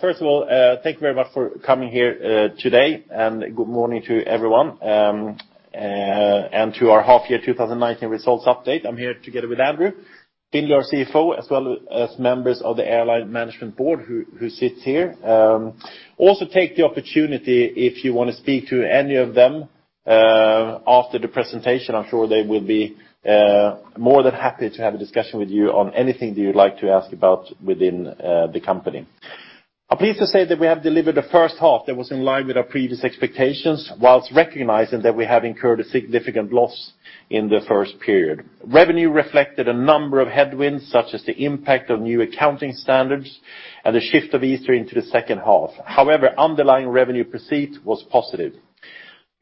First of all, thank you very much for coming here today, and good morning to everyone, and to our half year 2019 results update. I'm here together with Andrew Findlay, our CFO, as well as members of the airline management board who sit here. Also, take the opportunity if you want to speak to any of them after the presentation, I'm sure they will be more than happy to have a discussion with you on anything that you'd like to ask about within the company. I'm pleased to say that we have delivered the first half that was in line with our previous expectations, whilst recognizing that we have incurred a significant loss in the first period. Revenue reflected a number of headwinds, such as the impact of new accounting standards and the shift of Easter into the second half. However, underlying revenue per seat was positive.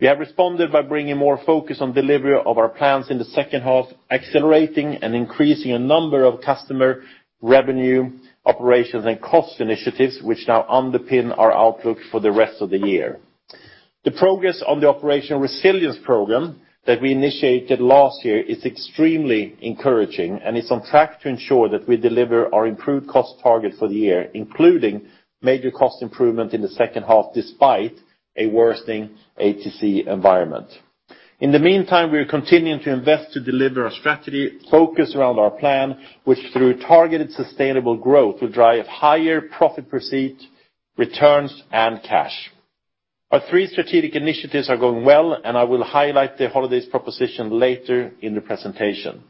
We have responded by bringing more focus on delivery of our plans in the second half, accelerating and increasing a number of customer revenue operations and cost initiatives, which now underpin our outlook for the rest of the year. The progress on the operational resilience program that we initiated last year is extremely encouraging, and it's on track to ensure that we deliver our improved cost target for the year, including major cost improvement in the second half, despite a worsening ATC environment. In the meantime, we are continuing to invest to deliver our strategy, focused around our plan, which through targeted sustainable growth, will drive higher profit per seat, returns, and cash. Our three strategic initiatives are going well, and I will highlight the holidays proposition later in the presentation.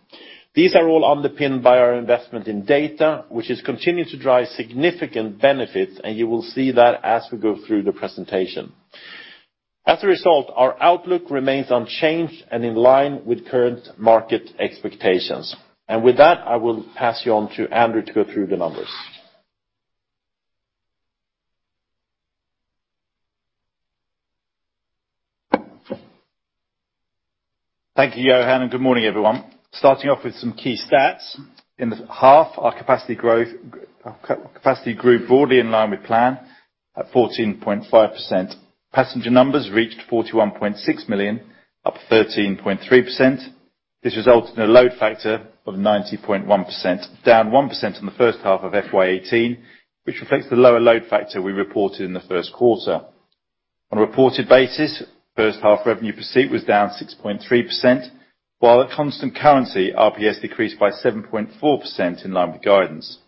These are all underpinned by our investment in data, which has continued to drive significant benefits, and you will see that as we go through the presentation. As a result, our outlook remains unchanged and in line with current market expectations. With that, I will pass you on to Andrew to go through the numbers. Thank you, Johan. Good morning, everyone. Starting off with some key stats. In the half, our capacity growth, capacity grew broadly in line with plan at 14.5%. Passenger numbers reached 41.6 million, up 13.3%. This resulted in a load factor of 90.1%, down 1% in the first half of FY 2018, which reflects the lower load factor we reported in the first quarter. On a reported basis, first half revenue per seat was down 6.3%, while at constant currency, RPS decreased by 7.4% in line with guidance.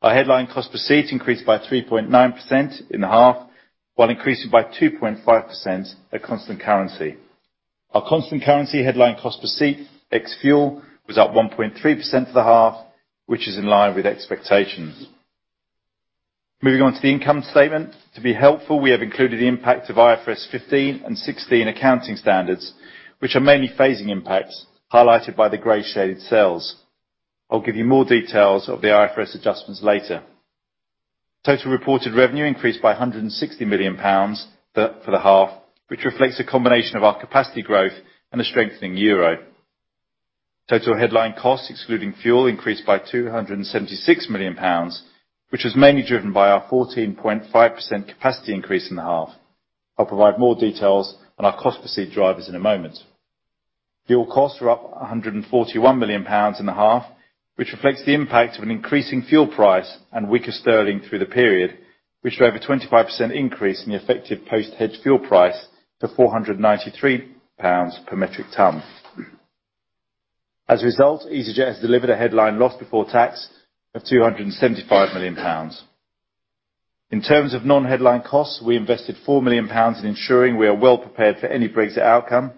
Our headline cost per seat increased by 3.9% in the half, while increasing by 2.5% at constant currency. Our constant currency headline cost per seat ex fuel was up 1.3% for the half, which is in line with expectations. Moving on to the income statement. To be helpful, we have included the impact of IFRS 15 and IFRS 16 accounting standards, which are mainly phasing impacts highlighted by the gray shaded cells. I will give you more details of the IFRS adjustments later. Total reported revenue increased by GBP 160 million for the half, which reflects a combination of our capacity growth and a strengthening EUR. Total headline costs, excluding fuel, increased by GBP 276 million, which was mainly driven by our 14.5% capacity increase in the half. I will provide more details on our cost per seat drivers in a moment. Fuel costs were up 141 million pounds in the half, which reflects the impact of an increasing fuel price and weaker sterling through the period, which drove a 25% increase in the effective post-hedge fuel price to 493 pounds per metric ton. As a result, easyJet has delivered a headline loss before tax of 275 million pounds. In terms of non-headline costs, we invested 4 million pounds in ensuring we are well prepared for any Brexit outcome.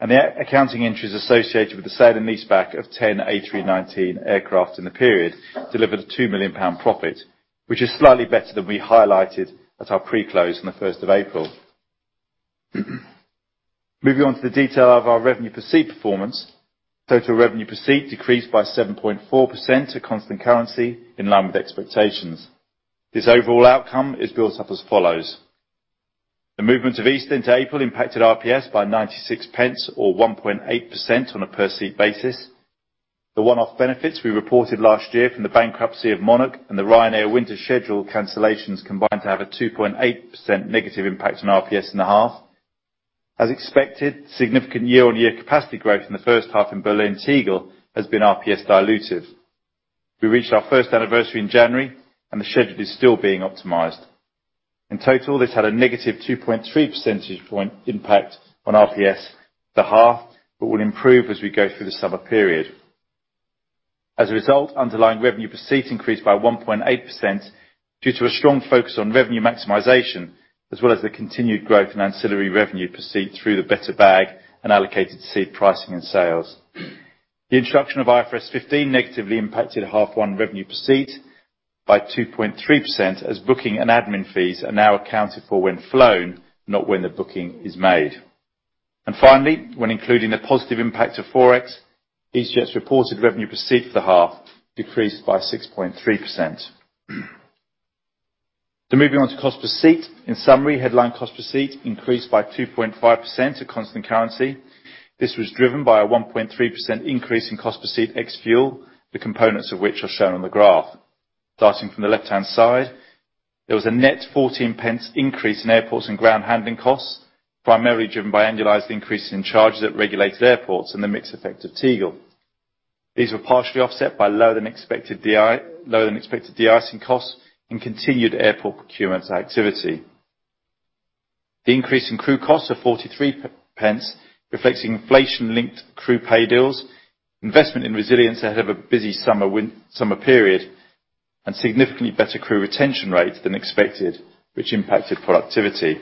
The accounting entries associated with the sale and leaseback of 10 A319 aircraft in the period delivered a 2 million pound profit, which is slightly better than we highlighted at our pre-close on the 1st of April. Moving on to the detail of our revenue per seat performance. Total revenue per seat decreased by 7.4% at constant currency in line with expectations. This overall outcome is built up as follows. The movement of Easter into April impacted RPS by 0.96 or 1.8% on a per seat basis. The one-off benefits we reported last year from the bankruptcy of Monarch and the Ryanair winter schedule cancellations combined to have a 2.8% negative impact on RPS in the half. As expected, significant year-on-year capacity growth in the first half in Berlin Tegel has been RPS dilutive. We reached our first anniversary in January, and the schedule is still being optimized. In total, this had a negative 2.3 percentage point impact on RPS for half, but will improve as we go through the summer period. As a result, underlying revenue per seat increased by 1.8% due to a strong focus on revenue maximization, as well as the continued growth in ancillary revenue per seat through the better bag and allocated seat pricing and sales. The introduction of IFRS 15 negatively impacted half one revenue per seat by 2.3% as booking and admin fees are now accounted for when flown, not when the booking is made. Finally, when including the positive impact of FX, easyJet's reported revenue per seat for the half decreased by 6.3%. Moving on to cost per seat. In summary, headline cost per seat increased by 2.5% at constant currency. This was driven by a 1.3% increase in cost per seat ex fuel, the components of which are shown on the graph. Starting from the left-hand side, there was a net 0.14 increase in airports and ground handling costs, primarily driven by annualized increases in charges at regulated airports and the mix effect of Tegel. These were partially offset by lower than expected de-icing costs and continued airport procurements activity. The increase in crew costs of 0.43 reflects inflation-linked crew pay deals, investment in resilience ahead of a busy summer period, and significantly better crew retention rates than expected, which impacted productivity.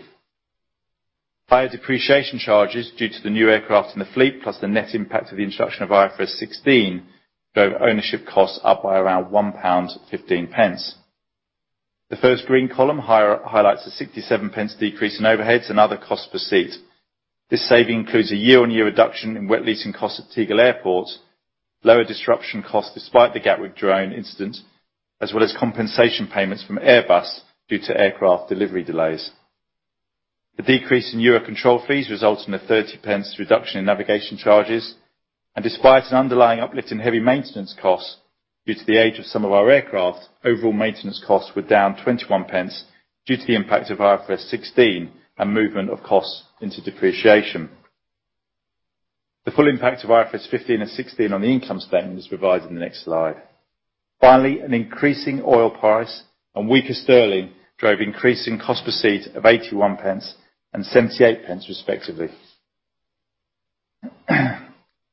Higher depreciation charges due to the new aircraft in the fleet, plus the net impact of the introduction of IFRS 16, drove ownership costs up by around 1.15 pound. The first green column highlights a 0.67 decrease in overheads and other costs per seat. This saving includes a year-on-year reduction in wet leasing costs at Tegel Airport, lower disruption costs despite the Gatwick drone incident, as well as compensation payments from Airbus due to aircraft delivery delays. The decrease in Eurocontrol fees results in a 0.30 reduction in navigation charges, and despite an underlying uplift in heavy maintenance costs due to the age of some of our aircraft, overall maintenance costs were down 0.21 due to the impact of IFRS 16 and movement of costs into depreciation. The full impact of IFRS 15 and 16 on the income statement is provided in the next slide. Finally, an increasing oil price and weaker sterling drove increasing cost per seat of 0.81 and 0.78 respectively.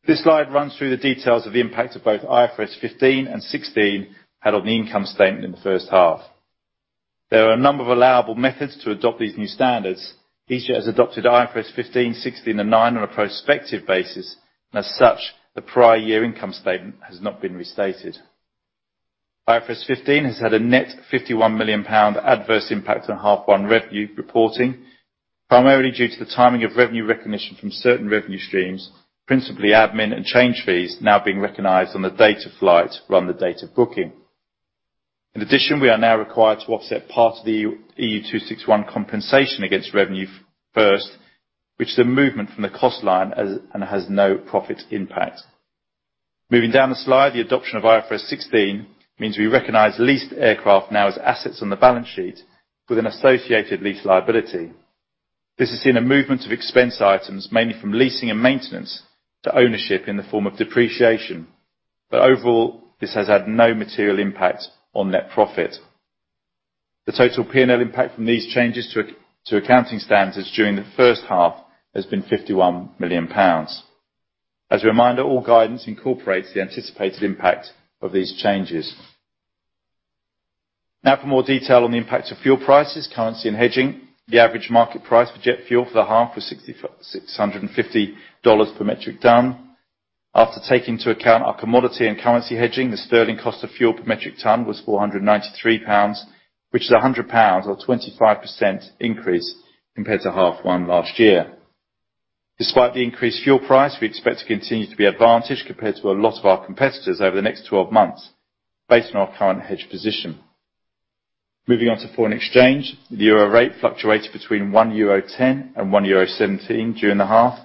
This slide runs through the details of the impact of both IFRS 15 and 16 had on the income statement in the first half. There are a number of allowable methods to adopt these new standards. easyJet has adopted IFRS 15, 16, and 9 on a prospective basis, and as such, the prior year income statement has not been restated. IFRS 15 has had a net GBP 51 million adverse impact on half one revenue reporting, primarily due to the timing of revenue recognition from certain revenue streams, principally admin and change fees now being recognized on the date of flight rather than the date of booking. In addition, we are now required to offset part of the EU 261 compensation against revenue first, which is a movement from the cost line and has no profit impact. Moving down the slide, the adoption of IFRS 16 means we recognize leased aircraft now as assets on the balance sheet with an associated lease liability. This has seen a movement of expense items mainly from leasing and maintenance to ownership in the form of depreciation, but overall, this has had no material impact on net profit. The total P&L impact from these changes to accounting standards during the first half has been 51 million pounds. As a reminder, all guidance incorporates the anticipated impact of these changes. Now for more detail on the impact of fuel prices, currency, and hedging. The average market price for jet fuel for the half was $650 per metric ton. After taking into account our commodity and currency hedging, the sterling cost of fuel per metric ton was 493 pounds, which is 100 pounds or 25% increase compared to half one last year. Despite the increased fuel price, we expect to continue to be advantaged compared to a lot of our competitors over the next 12 months based on our current hedge position. Moving on to foreign exchange. The euro rate fluctuated between 1.10 euro and 1.17 euro during the half.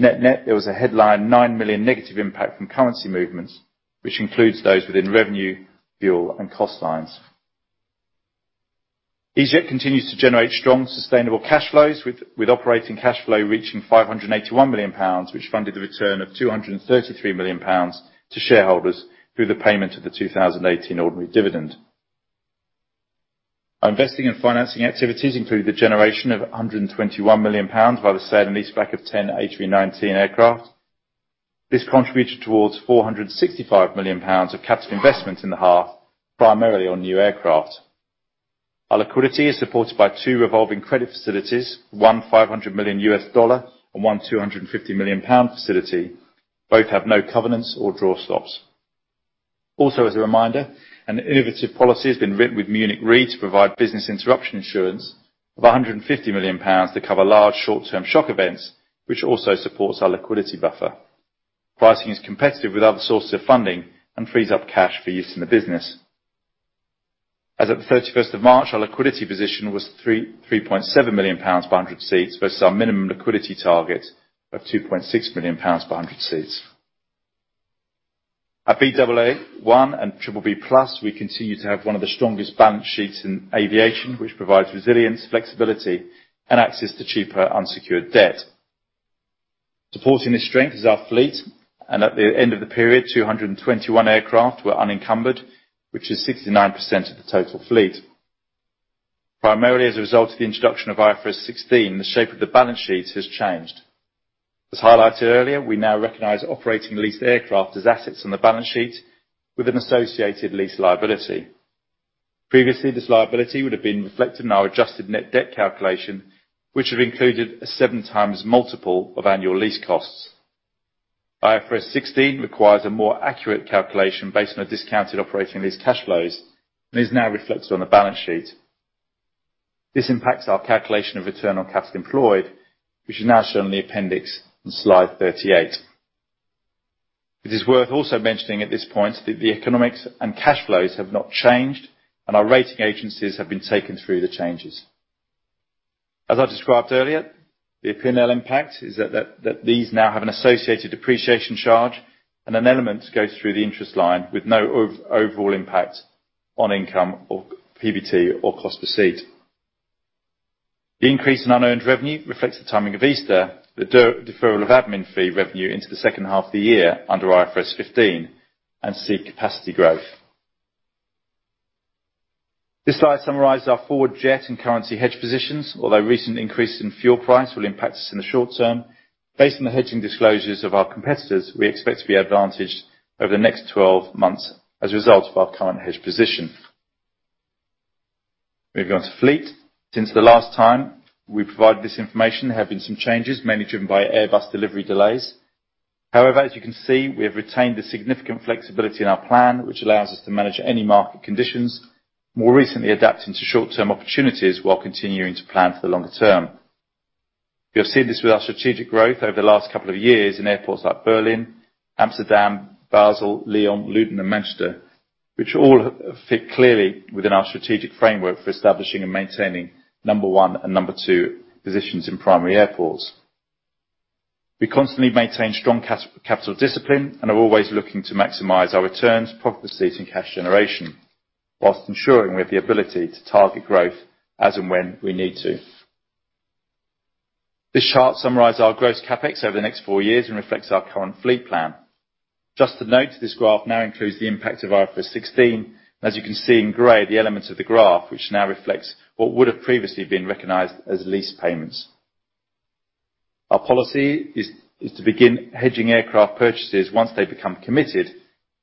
Net-net, there was a headline 9 million negative impact from currency movements, which includes those within revenue, fuel, and cost lines. easyJet continues to generate strong, sustainable cash flows with operating cash flow reaching 581 million pounds, which funded the return of 233 million pounds to shareholders through the payment of the 2018 ordinary dividend. Our investing and financing activities include the generation of 121 million pounds by the sale and leaseback of 10 A319 aircraft. This contributed towards 465 million pounds of capital investment in the half, primarily on new aircraft. Our liquidity is supported by two revolving credit facilities, one $500 million and one 250 million pound facility. Both have no covenants or draw stops. As a reminder, an innovative policy has been written with Munich Re to provide business interruption insurance of GBP 150 million to cover large short-term shock events, which also supports our liquidity buffer. Pricing is competitive with other sources of funding and frees up cash for use in the business. As at the 31st of March, our liquidity position was 3.7 million pounds per 100 seats versus our minimum liquidity target of 2.6 million pounds per 100 seats. At Baa1 and BBB+, we continue to have one of the strongest balance sheets in aviation, which provides resilience, flexibility, and access to cheaper unsecured debt. Supporting this strength is our fleet, and at the end of the period, 221 aircraft were unencumbered, which is 69% of the total fleet. Primarily as a result of the introduction of IFRS 16, the shape of the balance sheet has changed. As highlighted earlier, we now recognize operating leased aircraft as assets on the balance sheet with an associated lease liability. Previously, this liability would have been reflected in our adjusted net debt calculation, which have included a seven times multiple of annual lease costs. IFRS 16 requires a more accurate calculation based on a discounted operating lease cash flows and is now reflected on the balance sheet. This impacts our calculation of return on capital employed, which is now shown in the appendix on slide 38. It is worth also mentioning at this point that the economics and cash flows have not changed, and our rating agencies have been taken through the changes. As I described earlier, the P&L impact is that these now have an associated depreciation charge and an element goes through the interest line with no overall impact on income or PBT or cost per seat. The increase in unearned revenue reflects the timing of Easter, the deferral of admin fee revenue into the second half of the year under IFRS 15, and seat capacity growth. This slide summarizes our forward jet and currency hedge positions. Recent increases in fuel price will impact us in the short term, based on the hedging disclosures of our competitors, we expect to be advantaged over the next 12 months as a result of our current hedge position. Moving on to fleet. Since the last time we provided this information, there have been some changes, mainly driven by Airbus delivery delays. As you can see, we have retained a significant flexibility in our plan, which allows us to manage any market conditions, more recently adapting to short-term opportunities while continuing to plan for the longer term. You have seen this with our strategic growth over the last couple of years in airports like Berlin, Amsterdam, Basel, Lyon, Luton and Manchester, which all fit clearly within our strategic framework for establishing and maintaining number 1 and number 2 positions in primary airports. We constantly maintain strong capital discipline and are always looking to maximize our returns, profitability and cash generation, whilst ensuring we have the ability to target growth as and when we need to. This chart summarizes our gross CapEx over the next four years and reflects our current fleet plan. Just to note, this graph now includes the impact of IFRS 16. As you can see in gray, the elements of the graph, which now reflects what would have previously been recognized as lease payments. Our policy is to begin hedging aircraft purchases once they become committed.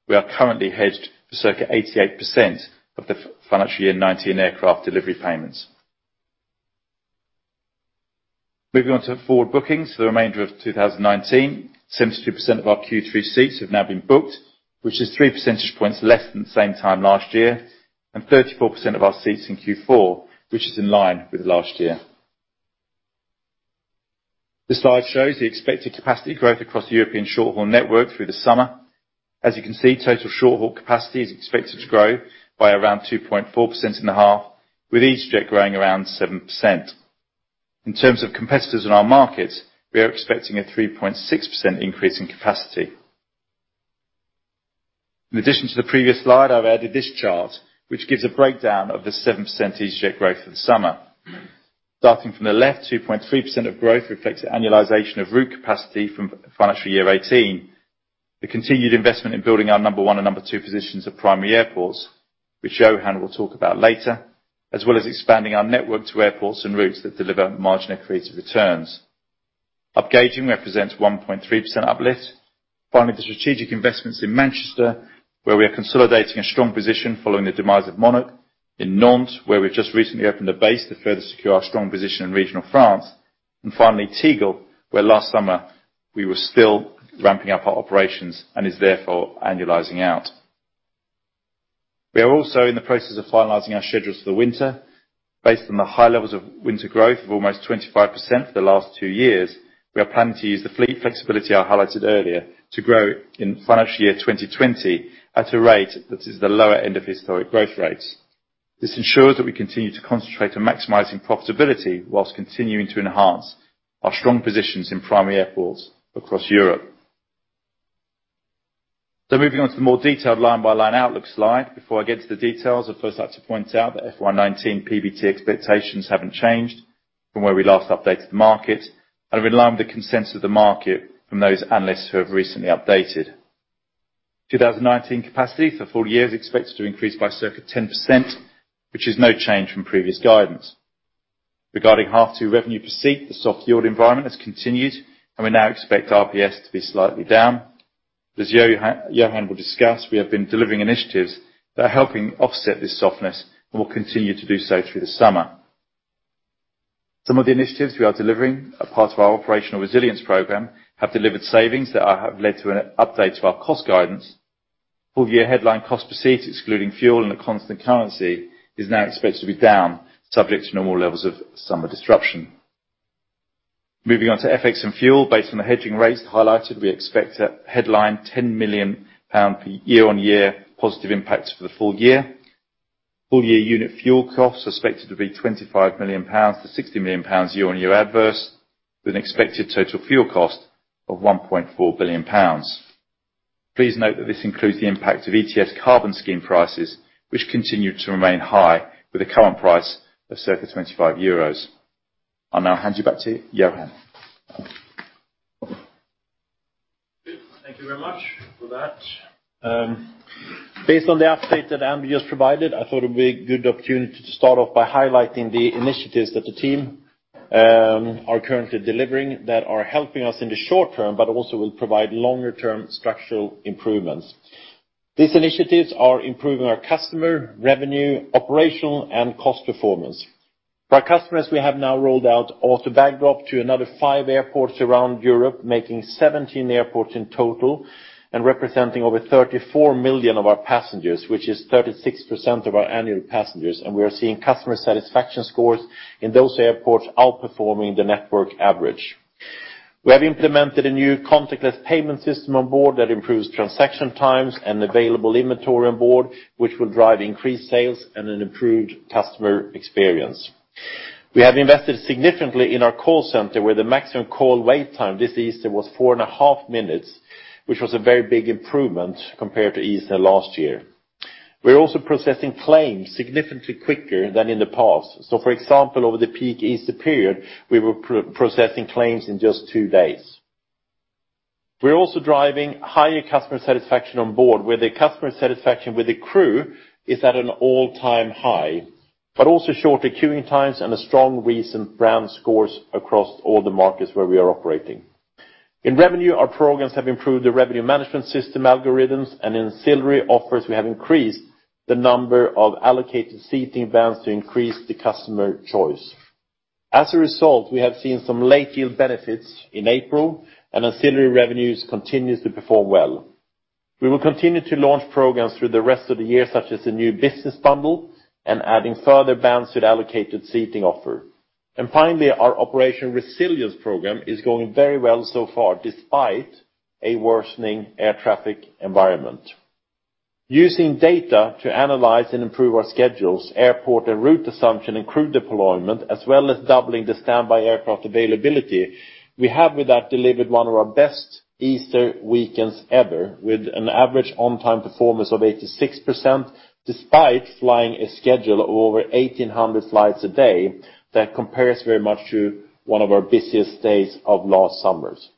We are currently hedged for circa 88% of the financial year 2019 aircraft delivery payments. Moving on to forward bookings for the remainder of 2019. 72% of our Q3 seats have now been booked, which is three percentage points less than the same time last year, and 34% of our seats in Q4, which is in line with last year. This slide shows the expected capacity growth across the European short-haul network through the summer. As you can see, total short-haul capacity is expected to grow by around 2.4% in the half, with easyJet growing around 7%. In terms of competitors in our markets, we are expecting a 3.6% increase in capacity. In addition to the previous slide, I've added this chart, which gives a breakdown of the 7% easyJet growth for the summer. Starting from the left, 2.3% of growth reflects the annualization of route capacity from financial year 2018. The continued investment in building our number 1 and number 2 positions at primary airports, which Johan will talk about later, as well as expanding our network to airports and routes that deliver margin-accretive returns. Upgauging represents 1.3% uplift. Finally, the strategic investments in Manchester, where we are consolidating a strong position following the demise of Monarch, in Nantes, where we've just recently opened a base to further secure our strong position in regional France, and finally, Tegel, where last summer we were still ramping up our operations and is therefore annualizing out. We are also in the process of finalizing our schedules for the winter. Based on the high levels of winter growth of almost 25% for the last two years, we are planning to use the fleet flexibility I highlighted earlier to grow in financial year 2020 at a rate that is the lower end of historic growth rates. This ensures that we continue to concentrate on maximizing profitability whilst continuing to enhance our strong positions in primary airports across Europe. Moving on to the more detailed line-by-line outlook slide. Before I get into the details, I'd first like to point out that FY 2019 PBT expectations haven't changed from where we last updated the market, and are in line with the consensus of the market from those analysts who have recently updated. 2019 capacity for the full year is expected to increase by circa 10%, which is no change from previous guidance. Regarding Half 2 revenue per seat, the soft yield environment has continued, and we now expect RPS to be slightly down. As Johan will discuss, we have been delivering initiatives that are helping offset this softness and will continue to do so through the summer. Some of the initiatives we are delivering are part of our operational resilience program, have delivered savings that have led to an update to our cost guidance. Full year headline cost per seat, excluding fuel in a constant currency, is now expected to be down, subject to normal levels of summer disruption. Moving on to FX and fuel. Based on the hedging rates highlighted, we expect a headline 10 million pound year-on-year positive impact for the full year. Full year unit fuel costs are expected to be 25 million-60 million pounds year-on-year adverse, with an expected total fuel cost of 1.4 billion pounds. Please note that this includes the impact of ETS carbon scheme prices, which continue to remain high with a current price of circa 25 euros. I'll now hand you back to Johan. Good. Thank you very much for that. Based on the update that Andy just provided, I thought it would be a good opportunity to start off by highlighting the initiatives that the team are currently delivering that are helping us in the short term, but also will provide longer term structural improvements. These initiatives are improving our customer, revenue, operational and cost performance. For our customers, we have now rolled out Auto Bag Drop to another 5 airports around Europe, making 17 airports in total and representing over 34 million of our passengers, which is 36% of our annual passengers, and we are seeing customer satisfaction scores in those airports outperforming the network average. We have implemented a new contactless payment system on board that improves transaction times and available inventory on board, which will drive increased sales and an improved customer experience. We have invested significantly in our call center, where the maximum call wait time this Easter was 4 and a half minutes, which was a very big improvement compared to Easter last year. We're also processing claims significantly quicker than in the past. For example, over the peak Easter period, we were processing claims in just 2 days. We're also driving higher customer satisfaction on board, where the customer satisfaction with the crew is at an all-time high, but also shorter queuing times and strong recent brand scores across all the markets where we are operating. In revenue, our programs have improved the revenue management system algorithms and ancillary offers. We have increased the number of allocated seating bands to increase the customer choice. As a result, we have seen some late yield benefits in April, and ancillary revenues continues to perform well. We will continue to launch programs through the rest of the year, such as the new business bundle and adding further bands to the allocated seating offer. And finally, our operation resilience program is going very well so far, despite a worsening air traffic environment. Using data to analyze and improve our schedules, airport and route assumption, and crew deployment, as well as doubling the standby aircraft availability, we have with that delivered one of our best Easter weekends ever, with an average on-time performance of 86%, despite flying a schedule of over 1,800 flights a day. That compares very much to one of our busiest days of last summers.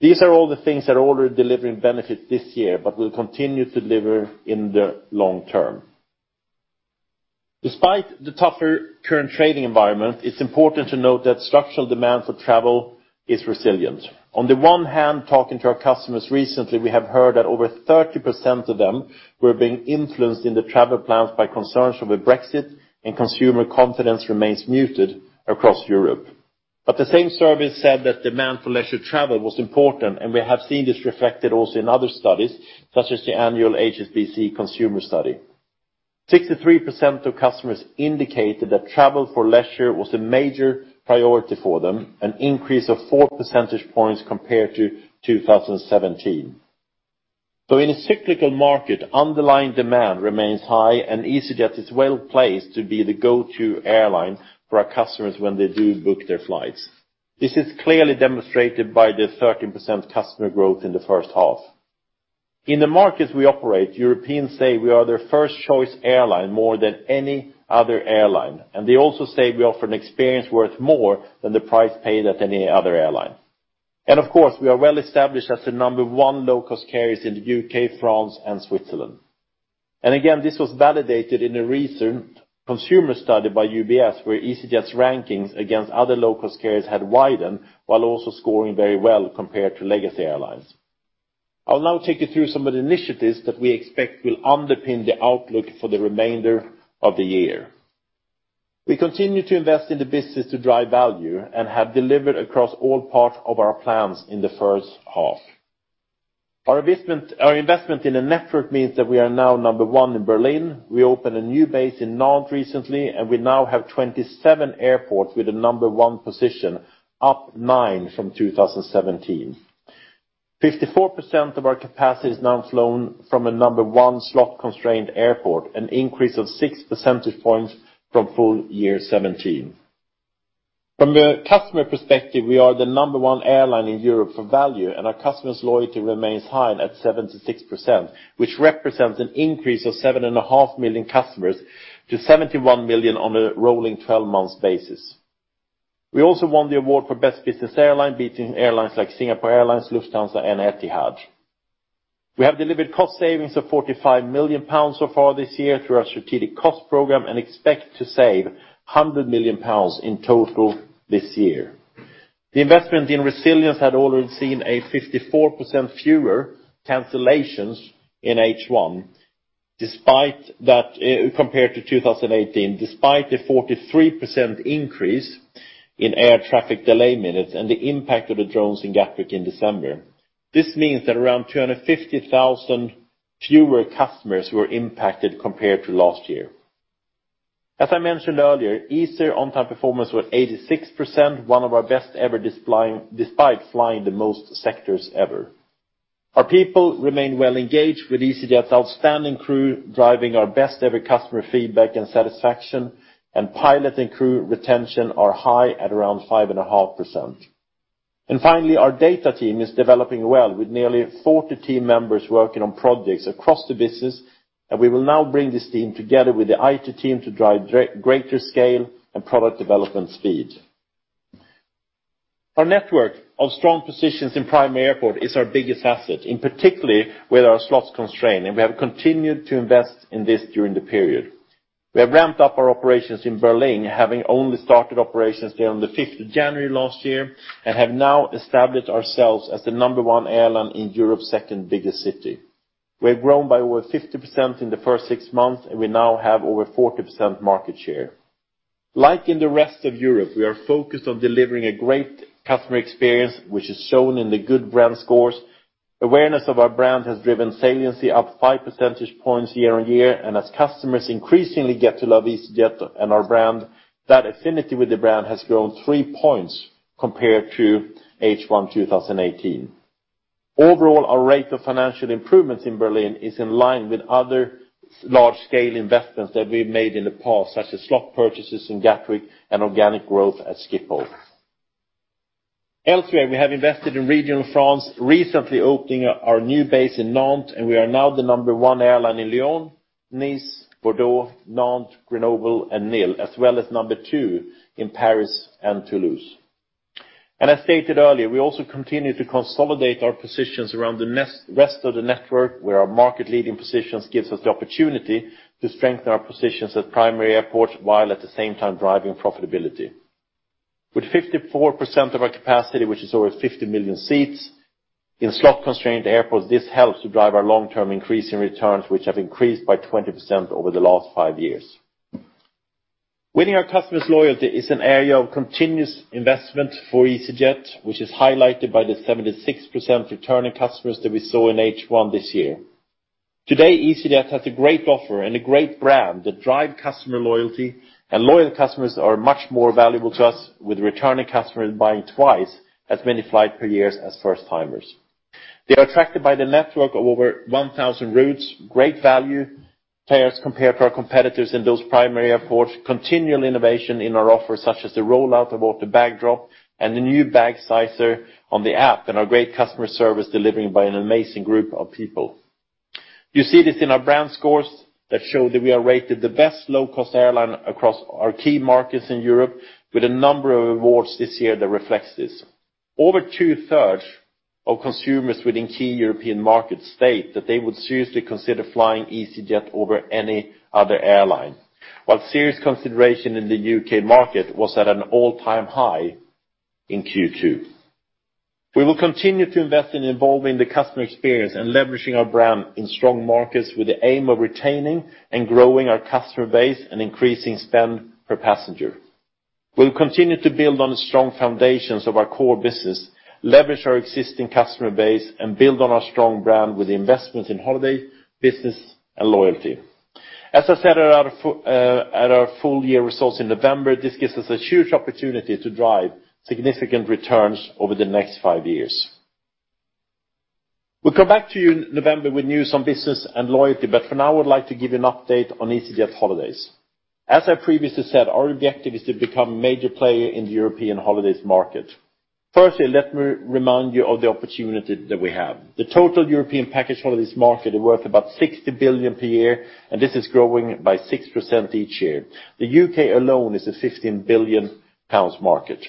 These are all the things that are already delivering benefits this year but will continue to deliver in the long term. Despite the tougher current trading environment, it's important to note that structural demand for travel is resilient. On the one hand, talking to our customers recently, we have heard that over 30% of them were being influenced in the travel plans by concerns over Brexit, and consumer confidence remains muted across Europe. The same survey said that demand for leisure travel was important, and we have seen this reflected also in other studies, such as the annual HSBC Consumer Study. 63% of customers indicated that travel for leisure was a major priority for them, an increase of four percentage points compared to 2017. In a cyclical market, underlying demand remains high, and easyJet is well-placed to be the go-to airline for our customers when they do book their flights. This is clearly demonstrated by the 13% customer growth in the first half. In the markets we operate, Europeans say we are their first-choice airline more than any other airline, and they also say we offer an experience worth more than the price paid at any other airline. Of course, we are well-established as the number one low-cost carriers in the U.K., France, and Switzerland. Again, this was validated in a recent consumer study by UBS, where easyJet's rankings against other low-cost carriers had widened while also scoring very well compared to legacy airlines. I'll now take you through some of the initiatives that we expect will underpin the outlook for the remainder of the year. We continue to invest in the business to drive value and have delivered across all parts of our plans in the first half. Our investment in the network means that we are now number one in Berlin. We opened a new base in Nantes recently, and we now have 27 airports with a number one position, up nine from 2017. 54% of our capacity is now flown from a number one slot-constrained airport, an increase of six percentage points from full year 2017. From a customer perspective, we are the number one airline in Europe for value, and our customers' loyalty remains high at 76%, which represents an increase of 7.5 million customers to 71 million on a rolling 12-months basis. We also won the award for best business airline, beating airlines like Singapore Airlines, Lufthansa, and Etihad. We have delivered cost savings of 45 million pounds so far this year through our strategic cost program and expect to save 100 million pounds in total this year. The investment in resilience had already seen a 54% fewer cancellations in H1 compared to 2018, despite a 43% increase in air traffic delay minutes and the impact of the drones in Gatwick in December. This means that around 250,000 fewer customers were impacted compared to last year. As I mentioned earlier, Easter on-time performance was 86%, one of our best ever despite flying the most sectors ever. Our people remain well engaged with easyJet's outstanding crew, driving our best ever customer feedback and satisfaction, and pilot and crew retention are high at around 5.5%. Finally, our data team is developing well with nearly 40 team members working on projects across the business, and we will now bring this team together with the IT team to drive greater scale and product development speed. Our network of strong positions in primary airport is our biggest asset, in particularly where there are slot-constrained, We have continued to invest in this during the period. We have ramped up our operations in Berlin, having only started operations there on the 5th of January last year, Have now established ourselves as the number one airline in Europe's second biggest city. We have grown by over 50% in the first six months, We now have over 40% market share. Like in the rest of Europe, we are focused on delivering a great customer experience, which is shown in the good brand scores. Awareness of our brand has driven saliency up five percentage points year on year, As customers increasingly get to love easyJet and our brand, that affinity with the brand has grown three points compared to H1 2018. Overall, our rate of financial improvements in Berlin is in line with other large-scale investments that we've made in the past, such as slot purchases in Gatwick and organic growth at Schiphol. Elsewhere, we have invested in regional France, recently opening our new base in Nantes, We are now the number one airline in Lyon, Nice, Bordeaux, Nantes, Grenoble, and Nimes, as well as number two in Paris and Toulouse. As stated earlier, we also continue to consolidate our positions around the rest of the network where our market-leading positions gives us the opportunity to strengthen our positions at primary airports, while at the same time driving profitability. With 54% of our capacity, which is over 50 million seats in slot-constrained airports, this helps to drive our long-term increase in returns, which have increased by 20% over the last five years. Winning our customers loyalty is an area of continuous investment for easyJet, which is highlighted by the 76% returning customers that we saw in H1 this year. Today, easyJet has a great offer and a great brand that drive customer loyalty, Loyal customers are much more valuable to us with returning customers buying twice as many flights per years as first timers. They are attracted by the network of over 1,000 routes, great value fares compared to our competitors in those primary airports. Continual innovation in our offers, such as the rollout of the bag drop and the new bag sizer on the app, Our great customer service delivered by an amazing group of people. You see this in our brand scores that show that we are rated the best low-cost airline across our key markets in Europe with a number of awards this year that reflects this. Over two-thirds of consumers within key European markets state that they would seriously consider flying easyJet over any other airline. While serious consideration in the U.K. market was at an all-time high in Q2. We will continue to invest in evolving the customer experience and leveraging our brand in strong markets with the aim of retaining and growing our customer base and increasing spend per passenger. We'll continue to build on the strong foundations of our core business, leverage our existing customer base, Build on our strong brand with the investments in holiday, business, and loyalty. As I said at our full-year results in November, this gives us a huge opportunity to drive significant returns over the next five years. We'll come back to you in November with news on business and loyalty. For now, I would like to give you an update on easyJet Holidays. As I previously said, our objective is to become a major player in the European holidays market. Firstly, let me remind you of the opportunity that we have. The total European package holidays market is worth about 60 billion per year, this is growing by 6% each year. The U.K. alone is a 15 billion pounds market.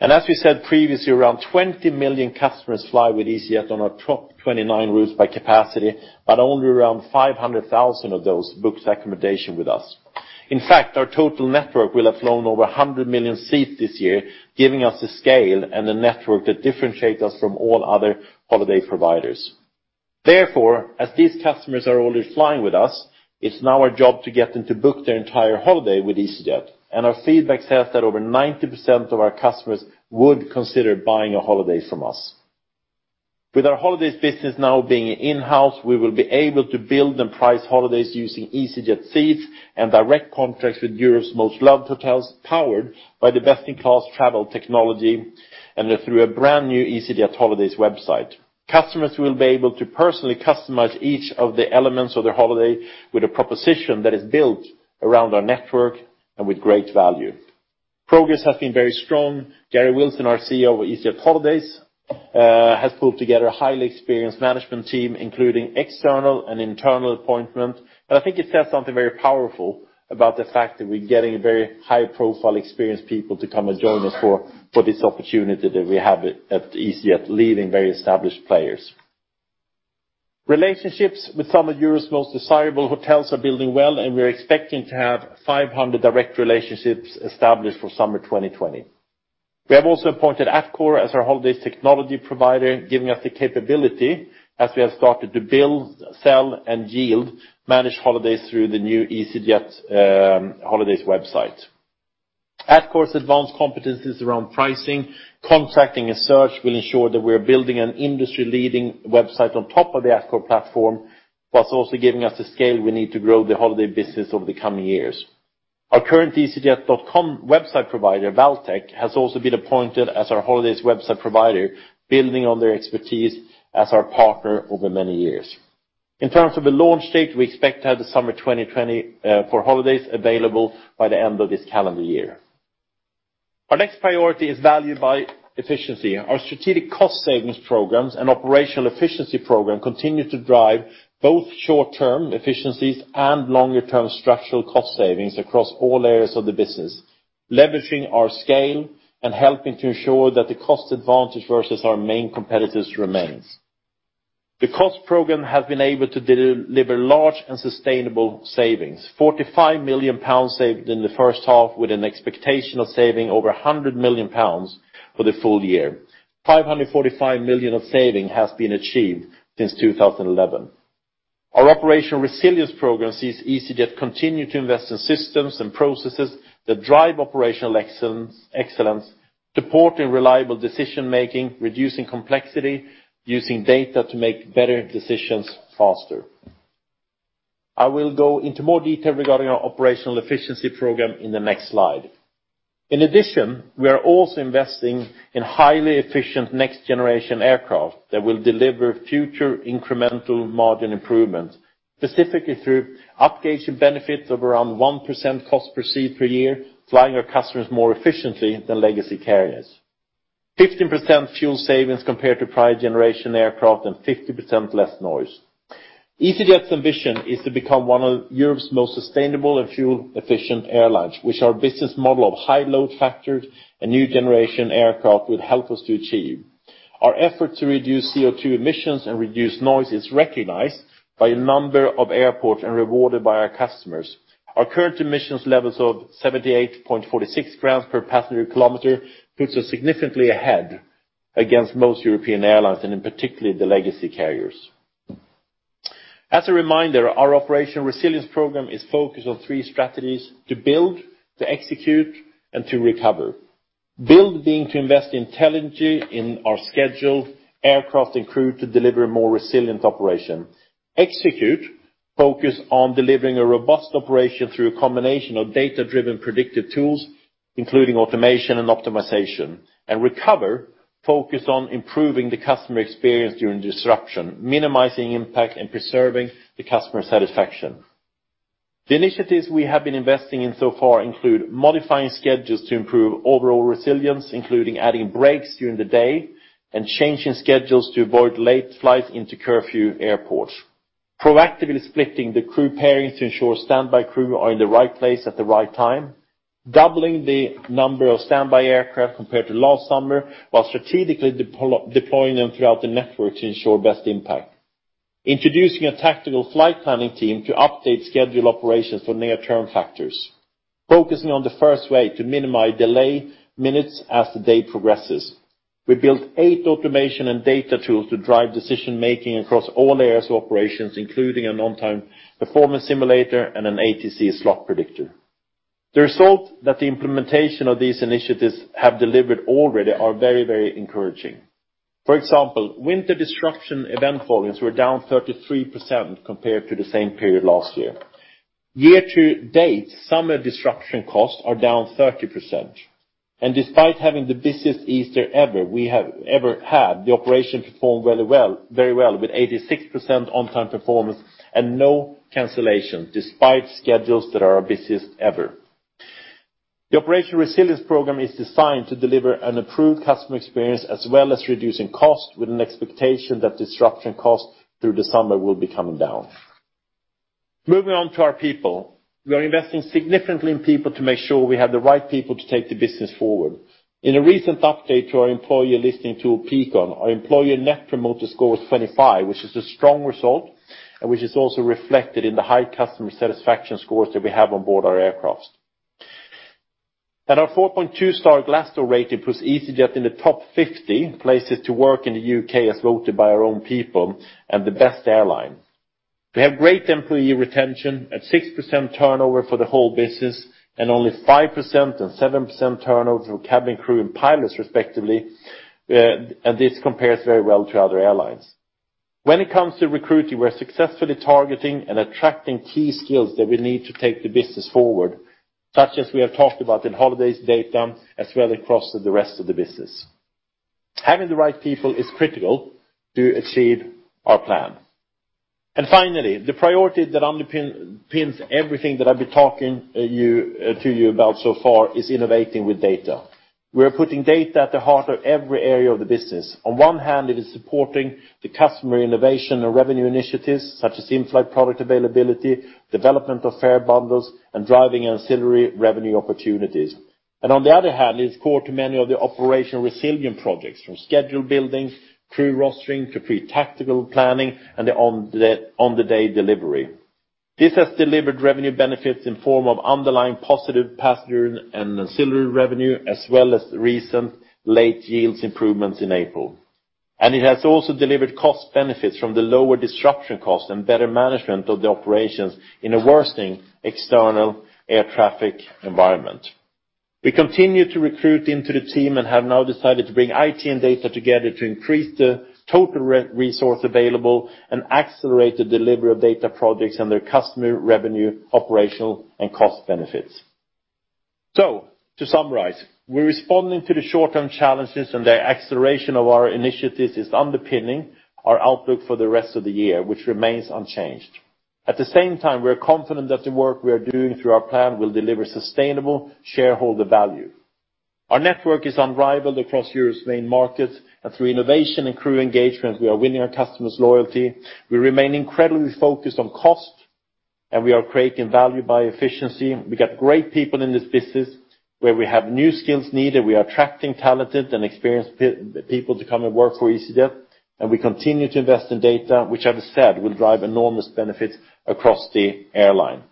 As we said previously, around 20 million customers fly with easyJet on our top 29 routes by capacity, but only around 500,000 of those book accommodation with us. In fact, our total network will have flown over 100 million seats this year, giving us the scale and the network that differentiates us from all other holiday providers. As these customers are already flying with us, it's now our job to get them to book their entire holiday with easyJet. Our feedback says that over 90% of our customers would consider buying a holiday from us. With our holidays business now being in-house, we will be able to build and price holidays using easyJet seats and direct contracts with Europe's most loved hotels, powered by the best-in-class travel technology and through a brand new easyJet Holidays website. Customers will be able to personally customize each of the elements of their holiday with a proposition that is built around our network and with great value. Progress has been very strong. Garry Wilson, our CEO of easyJet Holidays, has pulled together a highly experienced management team, including external and internal appointments. I think it says something very powerful about the fact that we're getting very high-profile, experienced people to come and join us for this opportunity that we have at easyJet, leaving very established players. Relationships with some of Europe's most desirable hotels are building well, we're expecting to have 500 direct relationships established for summer 2020. We have also appointed Atcore as our holidays technology provider, giving us the capability as we have started to build, sell, and yield managed holidays through the new easyJet Holidays website. Atcore's advanced competencies around pricing, contracting, and search will ensure that we're building an industry-leading website on top of the Atcore platform, whilst also giving us the scale we need to grow the holiday business over the coming years. Our current easyjet.com website provider, Valtech, has also been appointed as our holidays website provider, building on their expertise as our partner over many years. In terms of a launch date, we expect to have the summer 2020 for holidays available by the end of this calendar year. Our next priority is value by efficiency. Our strategic cost savings programs and operational efficiency program continue to drive both short-term efficiencies and longer-term structural cost savings across all areas of the business, leveraging our scale and helping to ensure that the cost advantage versus our main competitors remains. The cost program has been able to deliver large and sustainable savings, 45 million pounds saved in the first half with an expectation of saving over 100 million pounds for the full year. 545 million of saving has been achieved since 2011. Our operational resilience program sees easyJet continue to invest in systems and processes that drive operational excellence, supporting reliable decision-making, reducing complexity, using data to make better decisions faster. I will go into more detail regarding our operational efficiency program in the next slide. In addition, we are also investing in highly efficient next-generation aircraft that will deliver future incremental margin improvements, specifically through upgrades and benefits of around 1% cost per seat per year, flying our customers more efficiently than legacy carriers. 15% fuel savings compared to prior generation aircraft and 50% less noise. easyJet's ambition is to become one of Europe's most sustainable and fuel-efficient airlines, which our business model of high load factors and new generation aircraft will help us to achieve. Our effort to reduce CO2 emissions and reduce noise is recognized by a number of airports and rewarded by our customers. Our current emissions levels of 78.46 grams per passenger kilometer puts us significantly ahead against most European airlines, and in particular, the legacy carriers. As a reminder, our Operation Resilience program is focused on three strategies: to build, to execute, and to recover. Build being to invest intelligently in our schedule, aircraft, and crew to deliver a more resilient operation. Execute focus on delivering a robust operation through a combination of data-driven predictive tools, including automation and optimization. Recover focus on improving the customer experience during disruption, minimizing impact, and preserving the customer satisfaction. The initiatives we have been investing in so far include modifying schedules to improve overall resilience, including adding firebreaks during the day and changing schedules to avoid late flights into curfew airports. Proactively splitting the crew pairings to ensure standby crew are in the right place at the right time. Doubling the number of standby aircraft compared to last summer, while strategically deploying them throughout the network to ensure best impact. Introducing a tactical flight planning team to update schedule operations for near-term factors. Focusing on the first way to minimize delay minutes as the day progresses. We built eight automation and data tools to drive decision-making across all areas of operations, including an on-time performance simulator and an ATC Slot Predictor. The result that the implementation of these initiatives have delivered already are very encouraging. For example, winter disruption event volumes were down 33% compared to the same period last year. Year to date, summer disruption costs are down 30%. Despite having the busiest Easter ever we have ever had, the operation performed very well with 86% on-time performance and no cancellation despite schedules that are our busiest ever. The Operational Resilience program is designed to deliver an improved customer experience as well as reducing cost with an expectation that disruption cost through the summer will be coming down. Moving on to our people. We are investing significantly in people to make sure we have the right people to take the business forward. In a recent update to our employee listening tool, Peakon, our employee net promoter score was 25, which is a strong result and which is also reflected in the high customer satisfaction scores that we have on board our aircraft. Our 4.2 star Glassdoor rating puts easyJet in the top 50 places to work in the U.K. as voted by our own people and the best airline. We have great employee retention at 6% turnover for the whole business and only 5% and 7% turnover of cabin crew and pilots respectively, and this compares very well to other airlines. When it comes to recruiting, we're successfully targeting and attracting key skills that we need to take the business forward, such as we have talked about in Holidays data as well across the rest of the business. Having the right people is critical to achieve our plan. Finally, the priority that underpins everything that I've been talking to you about so far is innovating with data. We are putting data at the heart of every area of the business. On one hand, it is supporting the customer innovation and revenue initiatives such as in-flight product availability, development of fare bundles, and driving ancillary revenue opportunities. On the other hand, it is core to many of the operational resilient projects from schedule building, crew rostering, to pre-tactical planning and the on-the-day delivery. This has delivered revenue benefits in form of underlying positive passenger and ancillary revenue as well as recent late yields improvements in April. It has also delivered cost benefits from the lower disruption cost and better management of the operations in a worsening external air traffic environment. We continue to recruit into the team and have now decided to bring IT and data together to increase the total resource available and accelerate the delivery of data projects and their customer revenue, operational, and cost benefits. To summarize, we're responding to the short-term challenges and the acceleration of our initiatives is underpinning our outlook for the rest of the year, which remains unchanged. At the same time, we are confident that the work we are doing through our plan will deliver sustainable shareholder value. Our network is unrivaled across Europe's main markets and through innovation and crew engagement, we are winning our customers' loyalty. We remain incredibly focused on cost, and we are creating value by efficiency. We got great people in this business where we have new skills needed. We are attracting talented and experienced people to come and work for easyJet, and we continue to invest in data, which as I said will drive enormous benefits across the airline.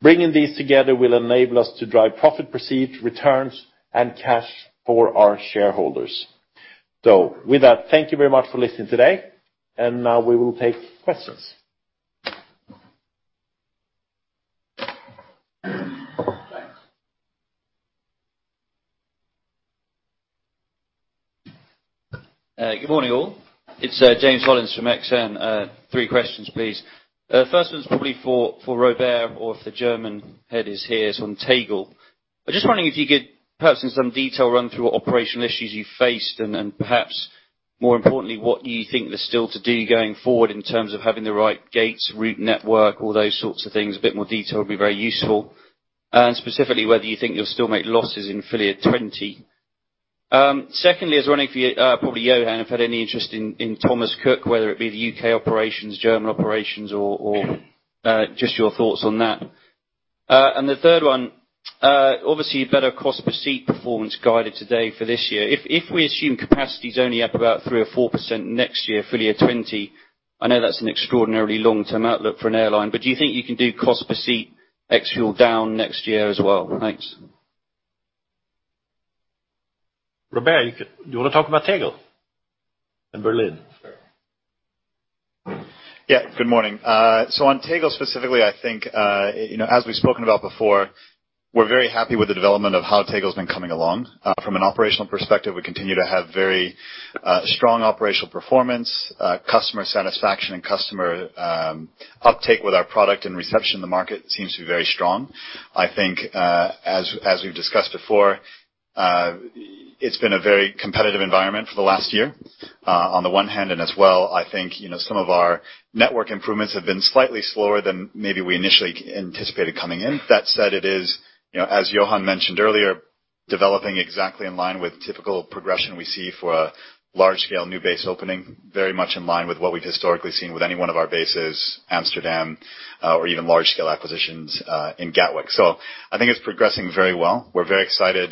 Bringing these together will enable us to drive profit per seat, returns, and cash for our shareholders. With that, thank you very much for listening today. Now we will take questions. Thanks. Good morning, all. It's James Hollins from Exane. Three questions, please. First one's probably for Robert or if the German head is here. It's on Tegel. I'm just wondering if you could perhaps in some detail run through what operational issues you faced and perhaps more importantly, what you think there's still to do going forward in terms of having the right gates, route network, all those sorts of things. A bit more detail would be very useful. Specifically, whether you think you'll still make losses in full year 2020. I was wondering if you, probably Johan, have had any interest in Thomas Cook, whether it be the U.K. operations, German operations, or just your thoughts on that. The third one, obviously better cost per seat performance guided today for this year. If we assume capacity's only up about 3%-4% next year, full year 2020, I know that's an extraordinarily long-term outlook for an airline, but do you think you can do cost per seat ex-fuel down next year as well? Thanks. Robert, do you want to talk about Tegel in Berlin? Sure. Good morning. On Tegel specifically, I think, as we've spoken about before, we're very happy with the development of how Tegel's been coming along. From an operational perspective, we continue to have very strong operational performance, customer satisfaction, and customer uptake with our product and reception in the market seems to be very strong. I think, as we've discussed before, it's been a very competitive environment for the last year on the one hand, and as well, I think, some of our network improvements have been slightly slower than maybe we initially anticipated coming in. That said, it is, as Johan mentioned earlier, developing exactly in line with typical progression we see for a large-scale new base opening, very much in line with what we've historically seen with any one of our bases, Amsterdam, or even large-scale acquisitions in Gatwick. I think it's progressing very well. We're very excited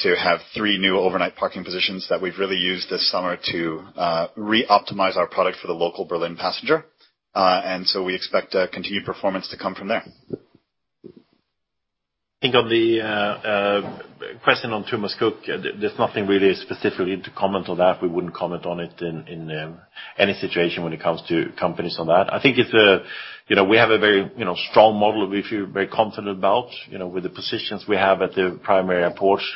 to have three new overnight parking positions that we've really used this summer to re-optimize our product for the local Berlin passenger. We expect continued performance to come from there. I think on the question on Thomas Cook, there's nothing really specifically to comment on that. We wouldn't comment on it in any situation when it comes to companies on that. I think we have a very strong model, which we're very confident about, with the positions we have at the primary airports,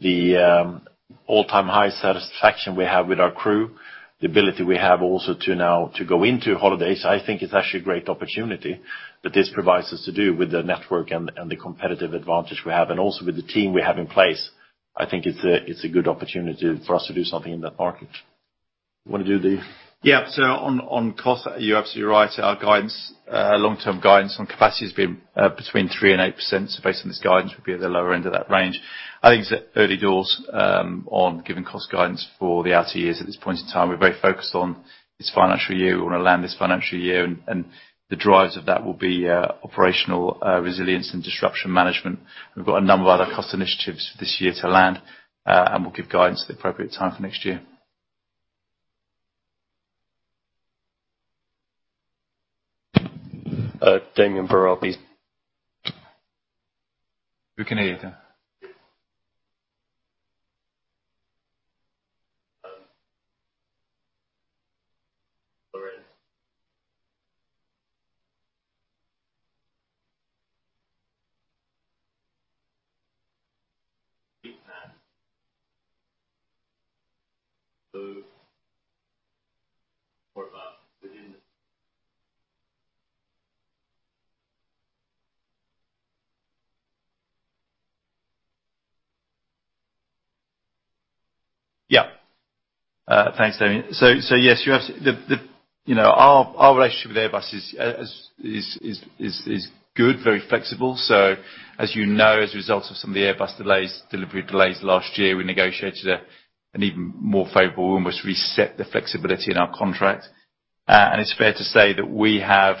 the all-time high satisfaction we have with our crew, the ability we have also to now to go into Holidays. I think it's actually a great opportunity that this provides us to do with the network and the competitive advantage we have, and also with the team we have in place. I think it's a good opportunity for us to do something in that market. Yeah. On cost, you're absolutely right. Our long-term guidance on capacity has been between 3% and 8%, based on this guidance, we'll be at the lower end of that range. I think it's early doors on giving cost guidance for the outer years. At this point in time, we're very focused on this financial year. We want to land this financial year, and the drives of that will be operational resilience and disruption management. We've got a number of other cost initiatives this year to land, and we'll give guidance at the appropriate time for next year. Damian Burrell, please. You can hear me? Yes. Lauren. Yeah. Thanks, Damian. Yes, our relationship with Airbus is good, very flexible. As you know, as a result of some of the Airbus delivery delays last year, we negotiated an even more favorable, almost reset the flexibility in our contract. It's fair to say that we have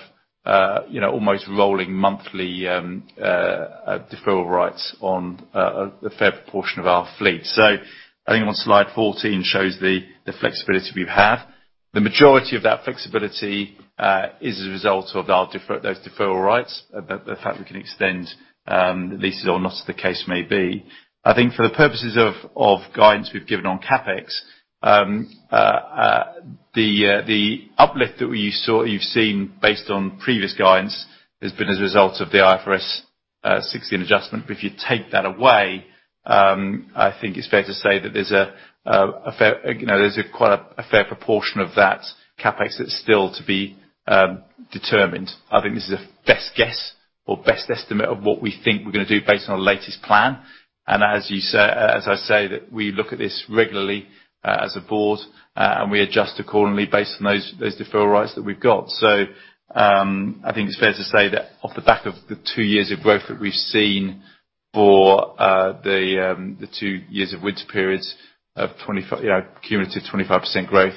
almost rolling monthly deferral rights on a fair proportion of our fleet. I think on slide 14 shows the flexibility we have. The majority of that flexibility is a result of those deferral rights, the fact we can extend leases or not as the case may be. I think for the purposes of guidance we've given on CapEx, the uplift that you've seen based on previous guidance has been as a result of the IFRS 16 adjustment. If you take that away, I think it's fair to say that there's quite a fair proportion of that CapEx that's still to be determined. I think this is a best guess or best estimate of what we think we're going to do based on our latest plan. As I say that we look at this regularly as a board, and we adjust accordingly based on those deferral rights that we've got. I think it's fair to say that off the back of the two years of growth that we've seen for the two years of winter periods, cumulative 25% growth,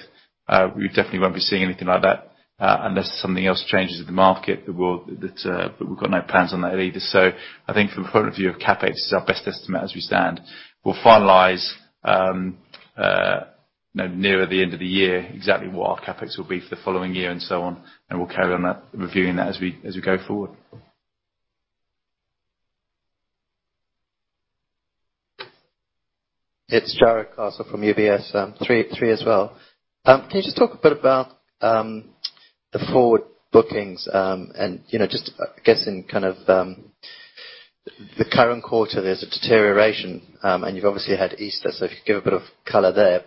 we definitely won't be seeing anything like that, unless something else changes in the market, but we've got no plans on that either. I think from the point of view of CapEx, this is our best estimate as we stand. We'll finalize nearer the end of the year exactly what our CapEx will be for the following year and so on, we'll carry on reviewing that as we go forward. It's Jarrod Castle from UBS, three as well. Can you just talk a bit about the forward bookings and just, I guess in the current quarter, there's a deterioration, and you've obviously had Easter, so if you could give a bit of color there.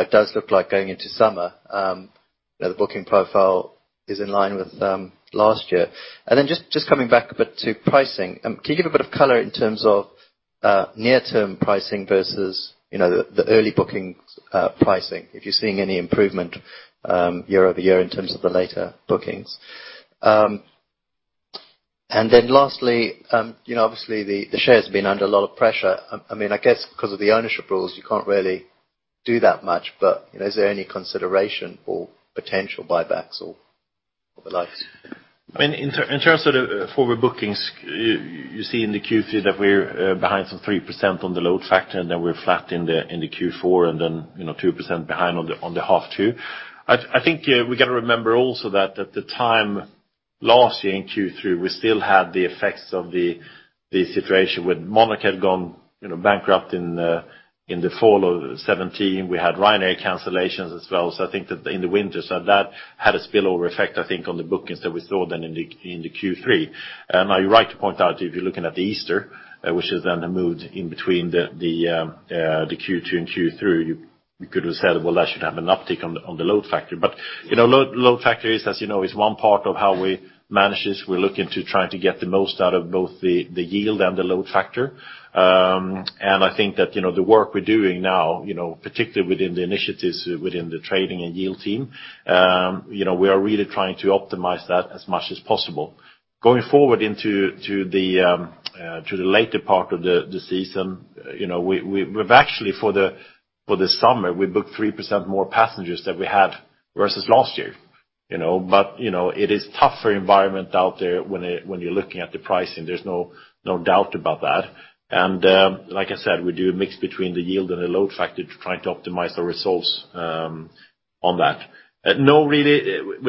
It does look like going into summer, the booking profile is in line with last year. Just coming back a bit to pricing. Can you give a bit of color in terms of near-term pricing versus the early bookings pricing? If you're seeing any improvement year-over-year in terms of the later bookings. Lastly, obviously, the share has been under a lot of pressure. I guess because of the ownership rules, you can't really do that much, is there any consideration for potential buybacks or the likes? In terms of the forward bookings, you see in the Q3 that we're behind some 3% on the load factor, we're flat in the Q4, 2% behind on the half 2. I think we got to remember also that at the time last year in Q3, we still had the effects of the situation with Monarch Airlines had gone bankrupt in the fall of 2017. We had Ryanair cancellations as well, so I think that in the winter. That had a spillover effect, I think, on the bookings that we saw then in the Q3. You're right to point out, if you're looking at the Easter, which has then moved in between the Q2 and Q3, you could have said, "Well, that should have an uptick on the load factor." Load factor, as you know, is one part of how we manage this. We're looking to try to get the most out of both the yield and the load factor. I think that the work we're doing now, particularly within the initiatives within the trading and yield team, we are really trying to optimize that as much as possible. Going forward into the later part of the season, we've actually, for the summer, we booked 3% more passengers than we had versus last year. It is tougher environment out there when you're looking at the pricing. There's no doubt about that. Like I said, we do a mix between the yield and the load factor to try to optimize the results on that. When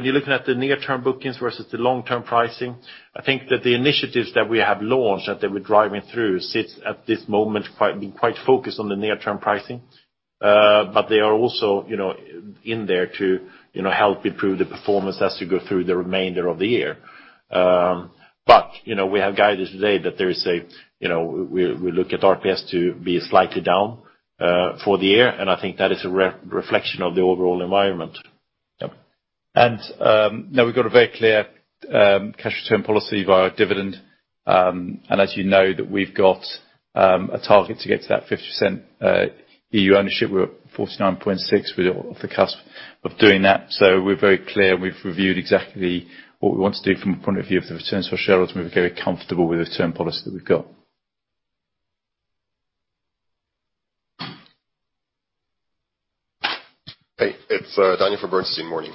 you're looking at the near-term bookings versus the long-term pricing, I think that the initiatives that we have launched, that we're driving through, sit at this moment quite focused on the near-term pricing. They are also in there to help improve the performance as we go through the remainder of the year. We have guided today that we look at RPS to be slightly down for the year, and I think that is a reflection of the overall environment. Yep. Now we've got a very clear cash return policy via dividend. As you know that we've got a target to get to that 50% EU ownership. We're at 49.6%. We're off the cusp of doing that. We're very clear and we've reviewed exactly what we want to do from the point of view of the returns for shareholders, and we're very comfortable with the return policy that we've got. Hey, it's Daniel from Bernstein. Morning.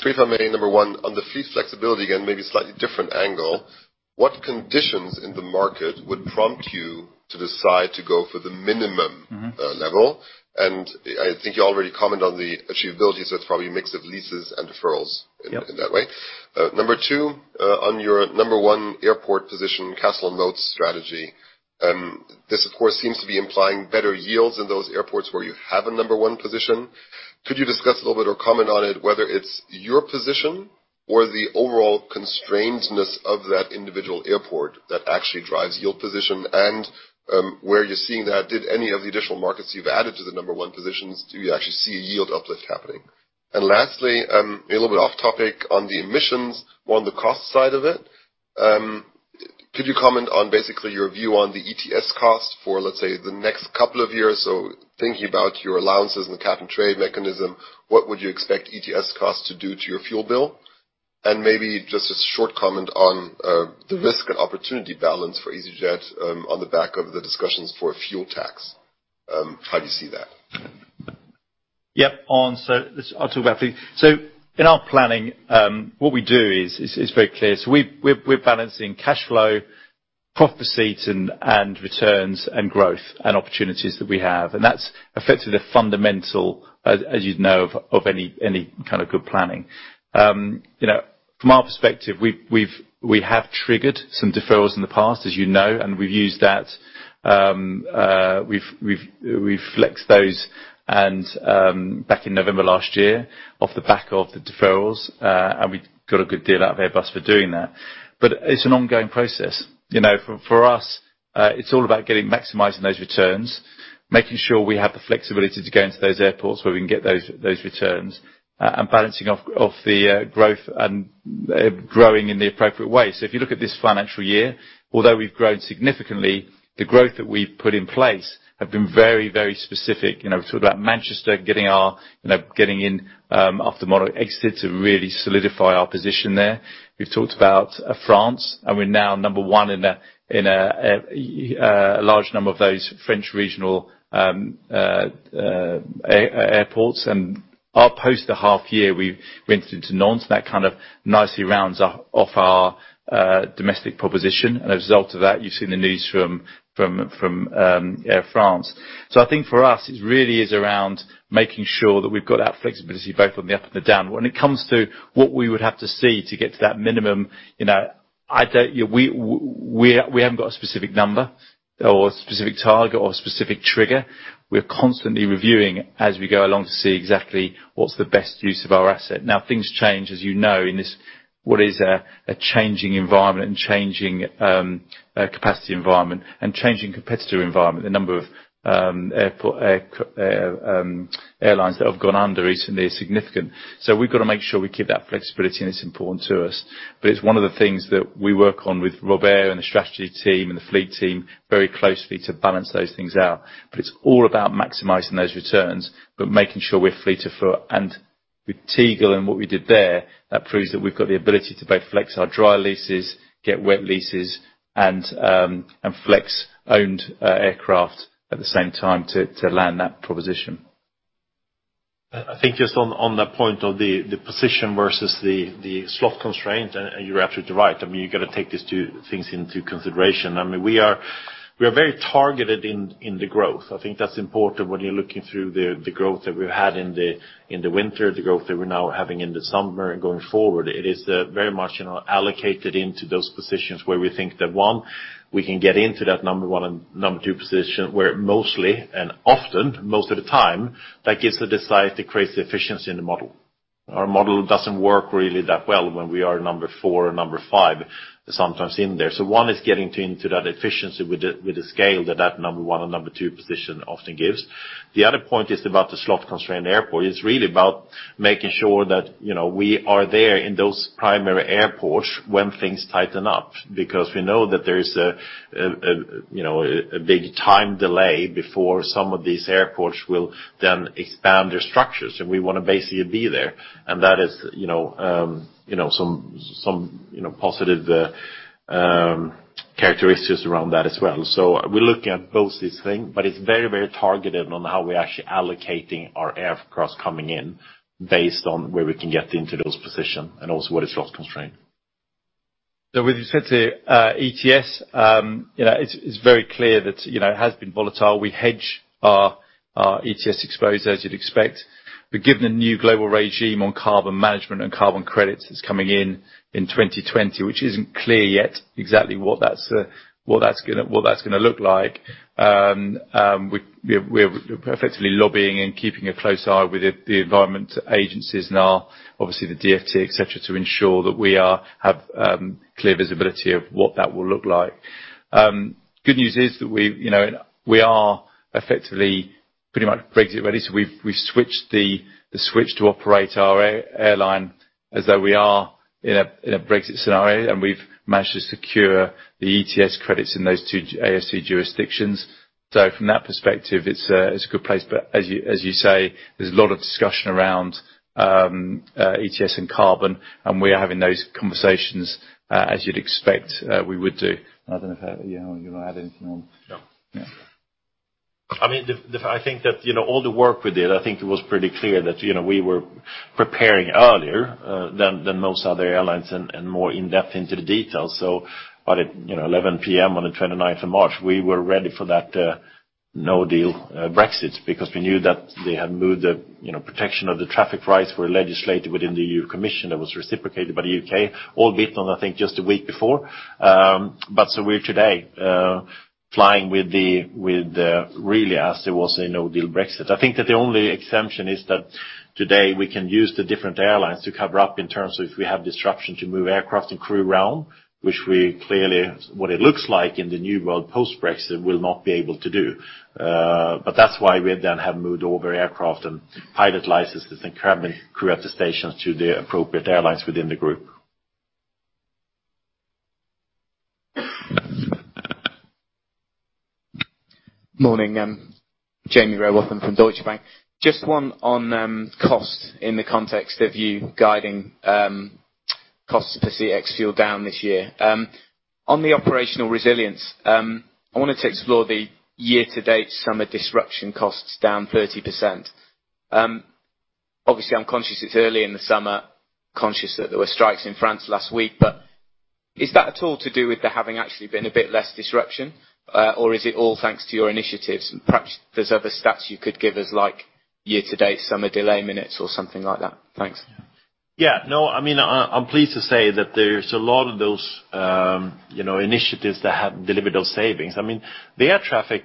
Three for main. Number 1, on the fleet flexibility, again, maybe slightly different angle. What conditions in the market would prompt you to decide to go for the minimum level? I think you already commented on the achievability, so it's probably a mix of leases and deferrals. Yep in that way. Number 2, on your number 1 airport position, castle and moats strategy. This, of course, seems to be implying better yields in those airports where you have a number 1 position. Could you discuss a little bit or comment on it, whether it's your position or the overall constrainedness of that individual airport that actually drives yield position? Where you're seeing that, did any of the additional markets you've added to the number 1 positions, do you actually see a yield uplift happening? Lastly, a little bit off topic. On the emissions, more on the cost side of it, could you comment on basically your view on the ETS cost for, let's say, the next couple of years? Thinking about your allowances and the cap and trade mechanism, what would you expect ETS cost to do to your fuel bill? Maybe just a short comment on. the risk and opportunity balance for easyJet on the back of the discussions for a fuel tax. How do you see that? Yes. I'll talk about three. In our planning, what we do is very clear. We're balancing cash flow, profit seats, and returns and growth and opportunities that we have. That's effectively the fundamental, as you know, of any kind of good planning. From our perspective, we have triggered some deferrals in the past, as you know. We've used that. We've flexed those back in November last year, off the back of the deferrals. We got a good deal out of Airbus for doing that. It's an ongoing process. For us, it's all about maximizing those returns, making sure we have the flexibility to go into those airports where we can get those returns, balancing off the growth and growing in the appropriate way. If you look at this financial year, although we've grown significantly, the growth that we've put in place have been very, very specific. We've talked about Manchester, getting in after Monarch exited to really solidify our position there. We've talked about France. We're now number one in a large number of those French regional airports. Post the half year, we went into Nantes. That kind of nicely rounds off our domestic proposition. A result of that, you've seen the news from Air France. I think for us, it really is around making sure that we've got that flexibility both on the up and the down. When it comes to what we would have to see to get to that minimum, we haven't got a specific number or a specific target or a specific trigger. We're constantly reviewing as we go along to see exactly what's the best use of our asset. Things change, as you know, in what is a changing environment and changing capacity environment and changing competitor environment. The number of airlines that have gone under recently is significant. We've got to make sure we keep that flexibility, and it's important to us. It's one of the things that we work on with Robert and the strategy team and the fleet team very closely to balance those things out. It's all about maximizing those returns, making sure we're fleet of foot. With Tegel and what we did there, that proves that we've got the ability to both flex our dry leases, get wet leases, and flex owned aircraft at the same time to land that proposition. I think just on that point of the position versus the slot constraint, you're absolutely right. You've got to take these two things into consideration. We are very targeted in the growth. I think that's important when you're looking through the growth that we had in the winter, the growth that we're now having in the summer, going forward. It is very much allocated into those positions where we think that, one, we can get into that number one and number two position, where mostly and often, most of the time, that gives the desire to create the efficiency in the model. Our model doesn't work really that well when we are number four or number five sometimes in there. One is getting into that efficiency with the scale that that number one or number two position often gives. The other point is about the slot-constrained airport. It's really about making sure that we are there in those primary airports when things tighten up, because we know that there is a big time delay before some of these airports will then expand their structures, and we want to basically be there. That is some positive characteristics around that as well. We're looking at both these things, but it's very targeted on how we're actually allocating our aircraft coming in based on where we can get into those position, and also what is slot constraint. With respect to ETS, it's very clear that it has been volatile. We hedge our ETS exposure, as you'd expect. Given the new global regime on carbon management and carbon credits that's coming in in 2020, which isn't clear yet exactly what that's going to look like, we're effectively lobbying and keeping a close eye with the environment agencies now, obviously the DfT, et cetera, to ensure that we have clear visibility of what that will look like. Good news is that we are effectively pretty much Brexit-ready, so we've made the switch to operate our airline as though we are in a Brexit scenario, and we've managed to secure the ETS credits in those two ASC jurisdictions. From that perspective, it's a good place. As you say, there's a lot of discussion around ETS and carbon, and we are having those conversations, as you'd expect we would do. I don't know if, Johan, you want to add anything on? No. Yeah. I think that all the work we did, I think it was pretty clear that we were preparing earlier than most other airlines and more in-depth into the details. By 11:00 P.M. on the 29th of March, we were ready for that no-deal Brexit because we knew that they had moved the protection of the traffic rights were legislated within the European Commission that was reciprocated by the U.K., albeit on, I think, just a week before. We're today flying with the, really as there was a no-deal Brexit. I think that the only exemption is that today we can use the different airlines to cover up in terms of if we have disruption to move aircraft and crew around, which we clearly, what it looks like in the new world post-Brexit, will not be able to do. That's why we have moved all of our aircraft and pilot licenses and cabin crew attestations to the appropriate airlines within the group. Morning. Jaime Rowbotham from Deutsche Bank. Just one on cost in the context of you guiding costs per seat x fuel down this year. On the operational resilience, I wanted to explore the year-to-date summer disruption costs down 30%. Obviously, I'm conscious it's early in the summer, conscious that there were strikes in France last week. Is that at all to do with there having actually been a bit less disruption? Is it all thanks to your initiatives? Perhaps there's other stats you could give us, like year-to-date summer delay minutes or something like that. Thanks. Yeah. No, I'm pleased to say that there's a lot of those initiatives that have delivered those savings. The air traffic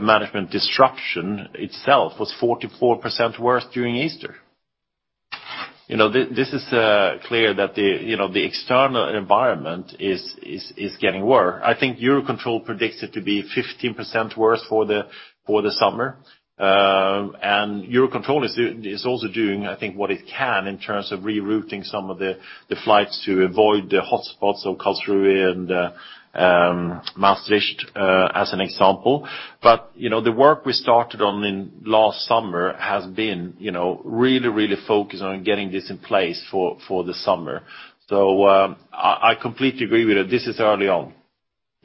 management disruption itself was 44% worse during Easter. This is clear that the external environment is getting worse. I think Eurocontrol predicts it to be 15% worse for the summer. Eurocontrol is also doing, I think, what it can in terms of rerouting some of the flights to avoid the hotspots of Karlsruhe and Maastricht, as an example. The work we started on in last summer has been really focused on getting this in place for the summer. I completely agree with you. This is early on.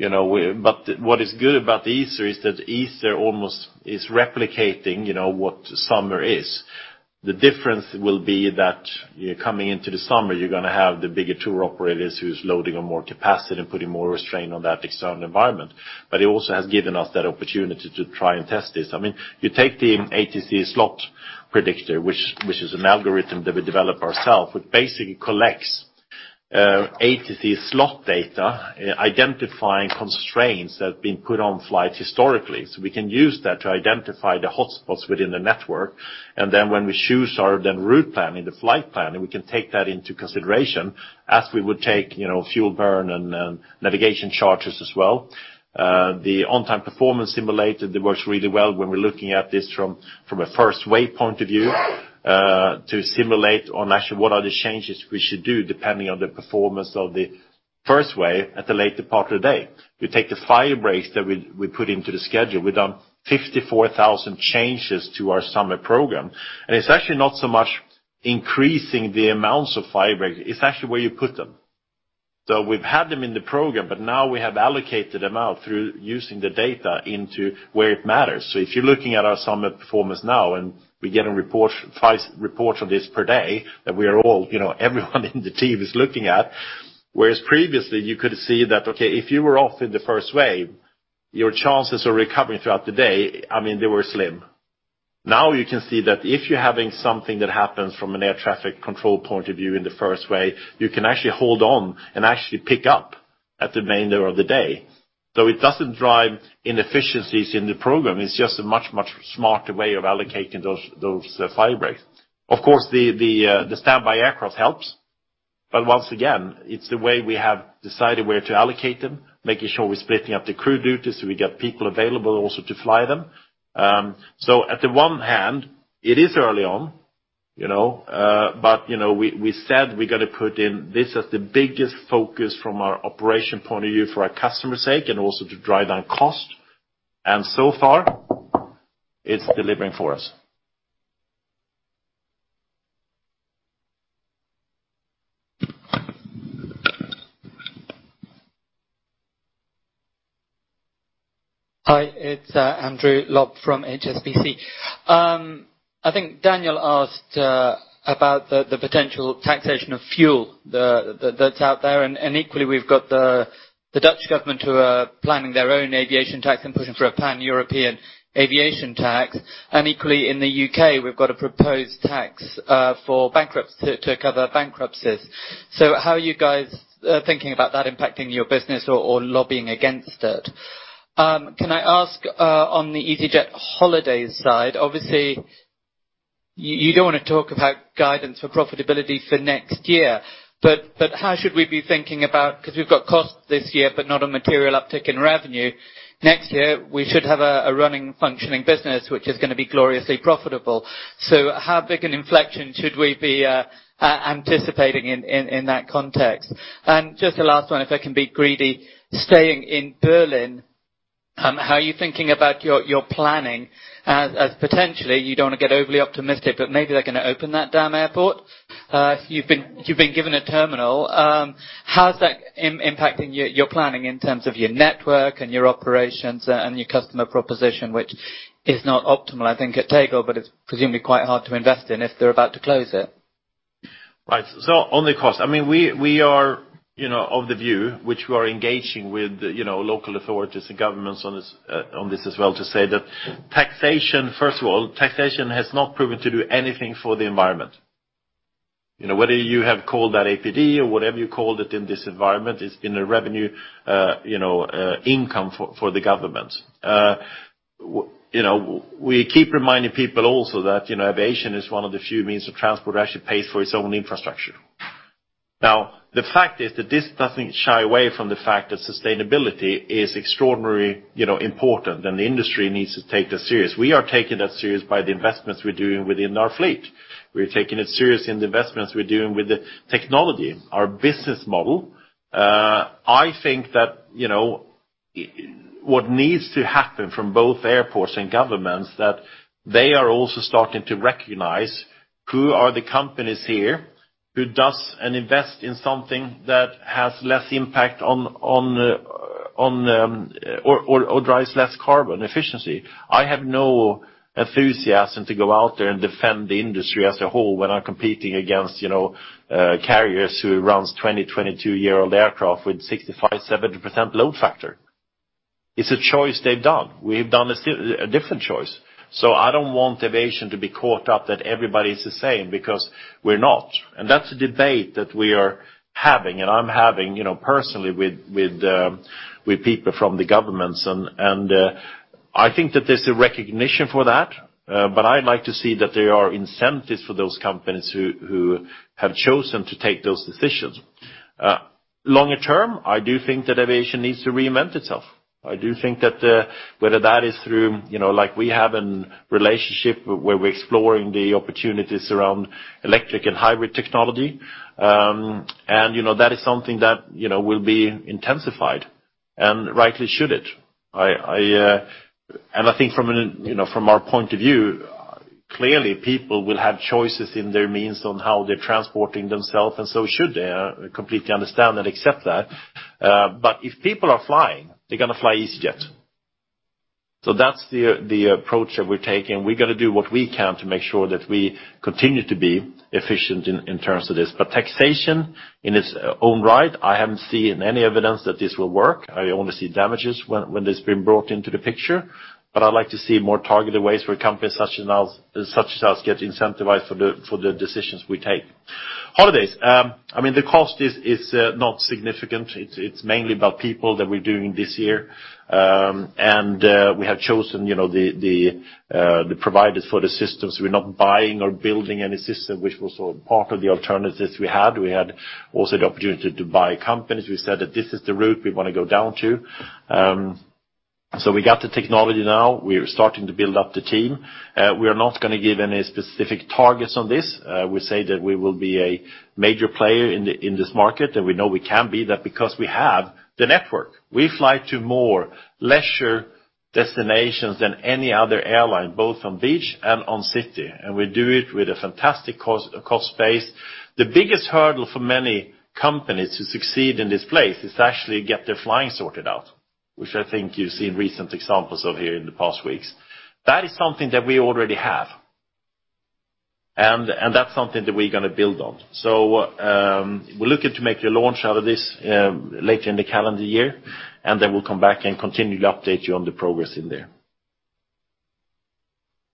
What is good about Easter is that Easter almost is replicating what summer is. The difference will be that coming into the summer, you're going to have the bigger tour operators who's loading on more capacity and putting more strain on that external environment. It also has given us that opportunity to try and test this. You take the ATC Slot Predictor, which is an algorithm that we developed ourself, which basically collects ATC slot data, identifying constraints that have been put on flights historically. We can use that to identify the hotspots within the network. When we choose our route planning, the flight planning, we can take that into consideration as we would take fuel burn and navigation charges as well. The on-time performance simulator works really well when we're looking at this from a first wave point of view to simulate on actually what are the changes we should do depending on the performance of the first wave at the late departure date. We take the firebreaks that we put into the schedule. We've done 54,000 changes to our summer program. It's actually not so much increasing the amounts of firebreak, it's actually where you put them. We've had them in the program, but now we have allocated them out through using the data into where it matters. If you're looking at our summer performance now, and we're getting reports of this per day that everyone in the team is looking at, whereas previously you could see that, okay, if you were off in the first wave, your chances of recovering throughout the day, they were slim. Now you can see that if you're having something that happens from an air traffic control point of view in the first wave, you can actually hold on and actually pick up at the remainder of the day. It doesn't drive inefficiencies in the program. It's just a much, much smarter way of allocating those firebreaks. Of course, the standby aircraft helps. Once again, it's the way we have decided where to allocate them, making sure we're splitting up the crew duties so we get people available also to fly them. At the one hand, it is early on, but we said we're going to put in this as the biggest focus from our operation point of view for our customers' sake and also to drive down cost. So far, it's delivering for us. Hi, it's Andrew Lobb from HSBC. I think Daniel asked about the potential taxation of fuel that's out there. Equally, we've got the Dutch government who are planning their own aviation tax and pushing for a pan-European aviation tax. Equally, in the U.K., we've got a proposed tax to cover bankruptcies. How are you guys thinking about that impacting your business or lobbying against it? Can I ask on the easyJet Holidays side, obviously, you don't want to talk about guidance for profitability for next year, but how should we be thinking about, because we've got costs this year, but not a material uptick in revenue. Next year, we should have a running, functioning business, which is going to be gloriously profitable. How big an inflection should we be anticipating in that context? Just the last one, if I can be greedy. Staying in Berlin, how are you thinking about your planning as potentially you don't want to get overly optimistic, but maybe they're going to open that damn airport? You've been given a terminal. How's that impacting your planning in terms of your network and your operations and your customer proposition, which is not optimal, I think, at Tegel, but it's presumably quite hard to invest in if they're about to close it. Right. On the cost, we are of the view, which we are engaging with local authorities and governments on this as well to say that first of all, taxation has not proven to do anything for the environment. Whether you have called that APD or whatever you called it in this environment, it's been a revenue income for the government. We keep reminding people also that aviation is one of the few means of transport that actually pays for its own infrastructure. The fact is that this doesn't shy away from the fact that sustainability is extraordinarily important and the industry needs to take that serious. We are taking that serious by the investments we're doing within our fleet. We're taking it serious in the investments we're doing with the technology, our business model. I think that what needs to happen from both airports and governments, that they are also starting to recognize who are the companies here who does and invest in something that has less impact or drives less carbon efficiency. I have no enthusiasm to go out there and defend the industry as a whole when I'm competing against carriers who runs 20, 22-year-old aircraft with 65%, 70% load factor. It's a choice they've done. We've done a different choice. I don't want aviation to be caught up that everybody is the same because we're not. That's a debate that we are having, and I'm having personally with people from the governments. I think that there's a recognition for that, but I like to see that there are incentives for those companies who have chosen to take those decisions. Longer term, I do think that aviation needs to reinvent itself. I do think that whether that is through like we have in relationship where we're exploring the opportunities around electric and hybrid technology, that is something that will be intensified, and rightly should it. I think from our point of view, clearly, people will have choices in their means on how they're transporting themselves, and so should they. I completely understand and accept that. If people are flying, they're going to fly easyJet. That's the approach that we're taking. We got to do what we can to make sure that we continue to be efficient in terms of this. Taxation in its own right, I haven't seen any evidence that this will work. I only see damages when this has been brought into the picture, but I'd like to see more targeted ways for companies such as us get incentivized for the decisions we take. Holidays. The cost is not significant. It's mainly about people that we're doing this year. We have chosen the providers for the systems. We're not buying or building any system, which was part of the alternatives we had. We had also the opportunity to buy companies. We said that this is the route we want to go down to. So we got the technology now. We are starting to build up the team. We are not going to give any specific targets on this. We say that we will be a major player in this market, and we know we can be that because we have the network. We fly to more leisure destinations than any other airline, both on beach and on city, we do it with a fantastic cost base. The biggest hurdle for many companies to succeed in this place is actually get their flying sorted out, which I think you've seen recent examples of here in the past weeks. That is something that we already have, and that's something that we're going to build on. We're looking to make a launch out of this later in the calendar year, we'll come back and continue to update you on the progress in there.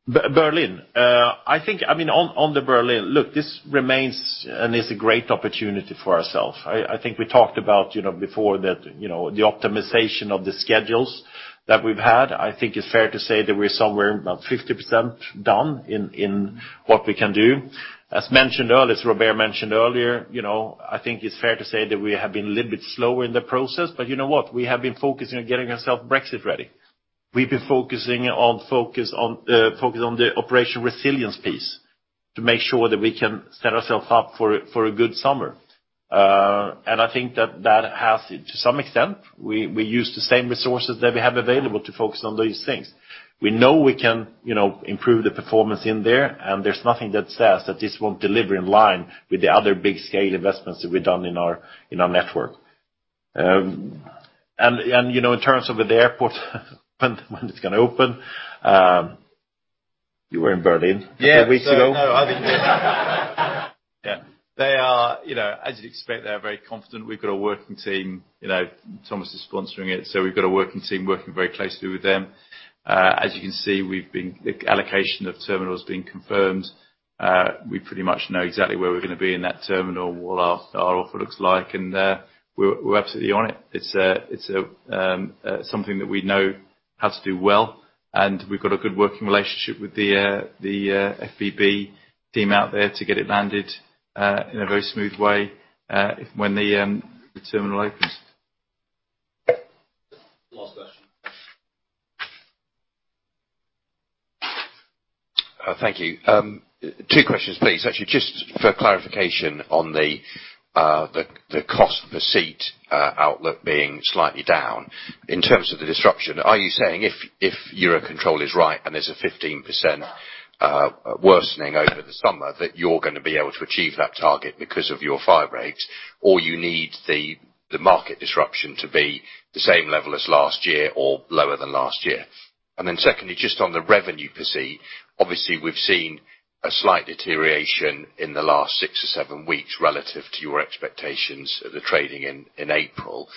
Berlin. On the Berlin, look, this remains and is a great opportunity for ourself. I think we talked about before that the optimization of the schedules that we've had, I think it's fair to say that we're somewhere about 50% done in what we can do. As Robert mentioned earlier, I think it's fair to say that we have been a little bit slower in the process, but you know what? We've been focusing on getting ourself Brexit ready. We've been focusing on the operation resilience piece to make sure that we can set ourself up for a good summer. I think that that has, to some extent, we used the same resources that we have available to focus on those things. We know we can improve the performance in there, and there's nothing that says that this won't deliver in line with the other big-scale investments that we've done in our network. In terms of the airport when it's going to open, you were in Berlin a few weeks ago. Yeah. As you'd expect, they are very confident. We've got a working team. Thomas is sponsoring it, we've got a working team working very closely with them. As you can see, allocation of terminals being confirmed. We pretty much know exactly where we're going to be in that terminal and what our offer looks like, we're absolutely on it. It's something that we know how to do well, we've got a good working relationship with the FBB team out there to get it landed in a very smooth way when the terminal opens. Last question. Thank you. Two questions, please. Actually, just for clarification on the cost per seat outlook being slightly down. In terms of the disruption, are you saying if Eurocontrol is right and there's a 15% worsening over the summer, that you're going to be able to achieve that target because of your firebreaks? Or you need the market disruption to be the same level as last year or lower than last year? Secondly, just on the revenue per seat. Obviously, we've seen a slight deterioration in the last six or seven weeks relative to your expectations of the trading in April.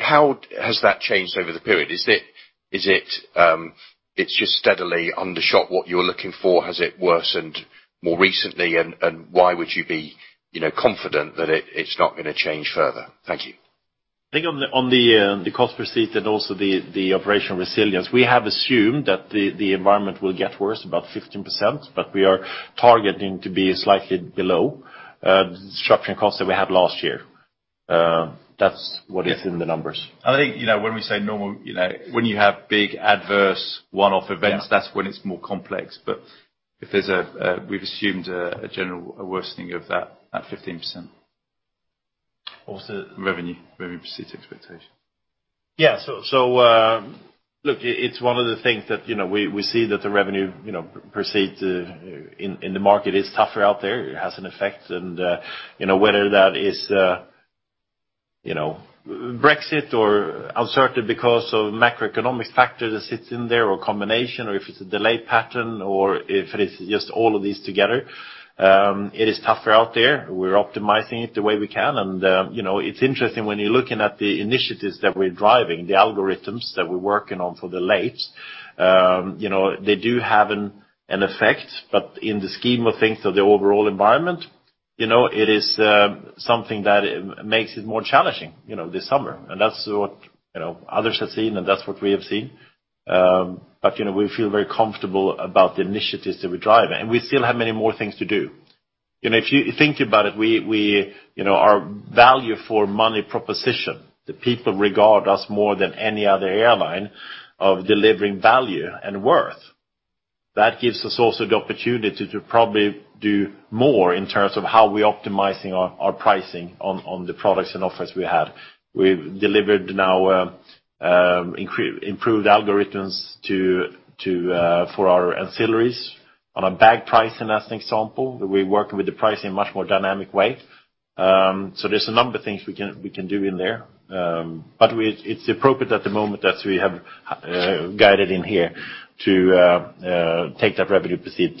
How has that changed over the period? It's just steadily undershot what you were looking for? Has it worsened more recently? Why would you be confident that it's not going to change further? Thank you. I think on the cost per seat and also the operational resilience, we have assumed that the environment will get worse, about 15%, but we are targeting to be slightly below the disruption costs that we had last year. That's what is in the numbers. I think when we say normal, when you have big adverse one-off events. Yeah That's when it's more complex. We've assumed a general worsening of that 15%. Of the? Revenue per seat expectation. Yeah. Look, it's one of the things that we see that the Revenue per seat in the market is tougher out there. It has an effect. Whether that is Brexit or uncertainty because of macroeconomic factors that sits in there or a combination or if it's a delay pattern or if it is just all of these together, it is tougher out there. We're optimizing it the way we can. It's interesting when you're looking at the initiatives that we're driving, the algorithms that we're working on for the late, they do have an effect. In the scheme of things of the overall environment, it is something that makes it more challenging this summer. That's what others have seen, and that's what we have seen. We feel very comfortable about the initiatives that we're driving, and we still have many more things to do. If you think about it, our value for money proposition, that people regard us more than any other airline of delivering value and worth. That gives us also the opportunity to probably do more in terms of how we're optimizing our pricing on the products and offers we have. We've delivered now improved algorithms for our ancillaries on our bag pricing, as an example, that we're working with the pricing in a much more dynamic way. There's a number of things we can do in there. It's appropriate at the moment that we have guided in here to take that revenue per seat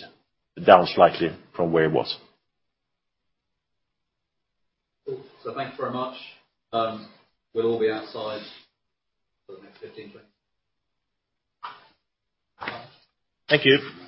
down slightly from where it was. Cool. Thanks very much. We'll all be outside for the next 15, 20. Thank you.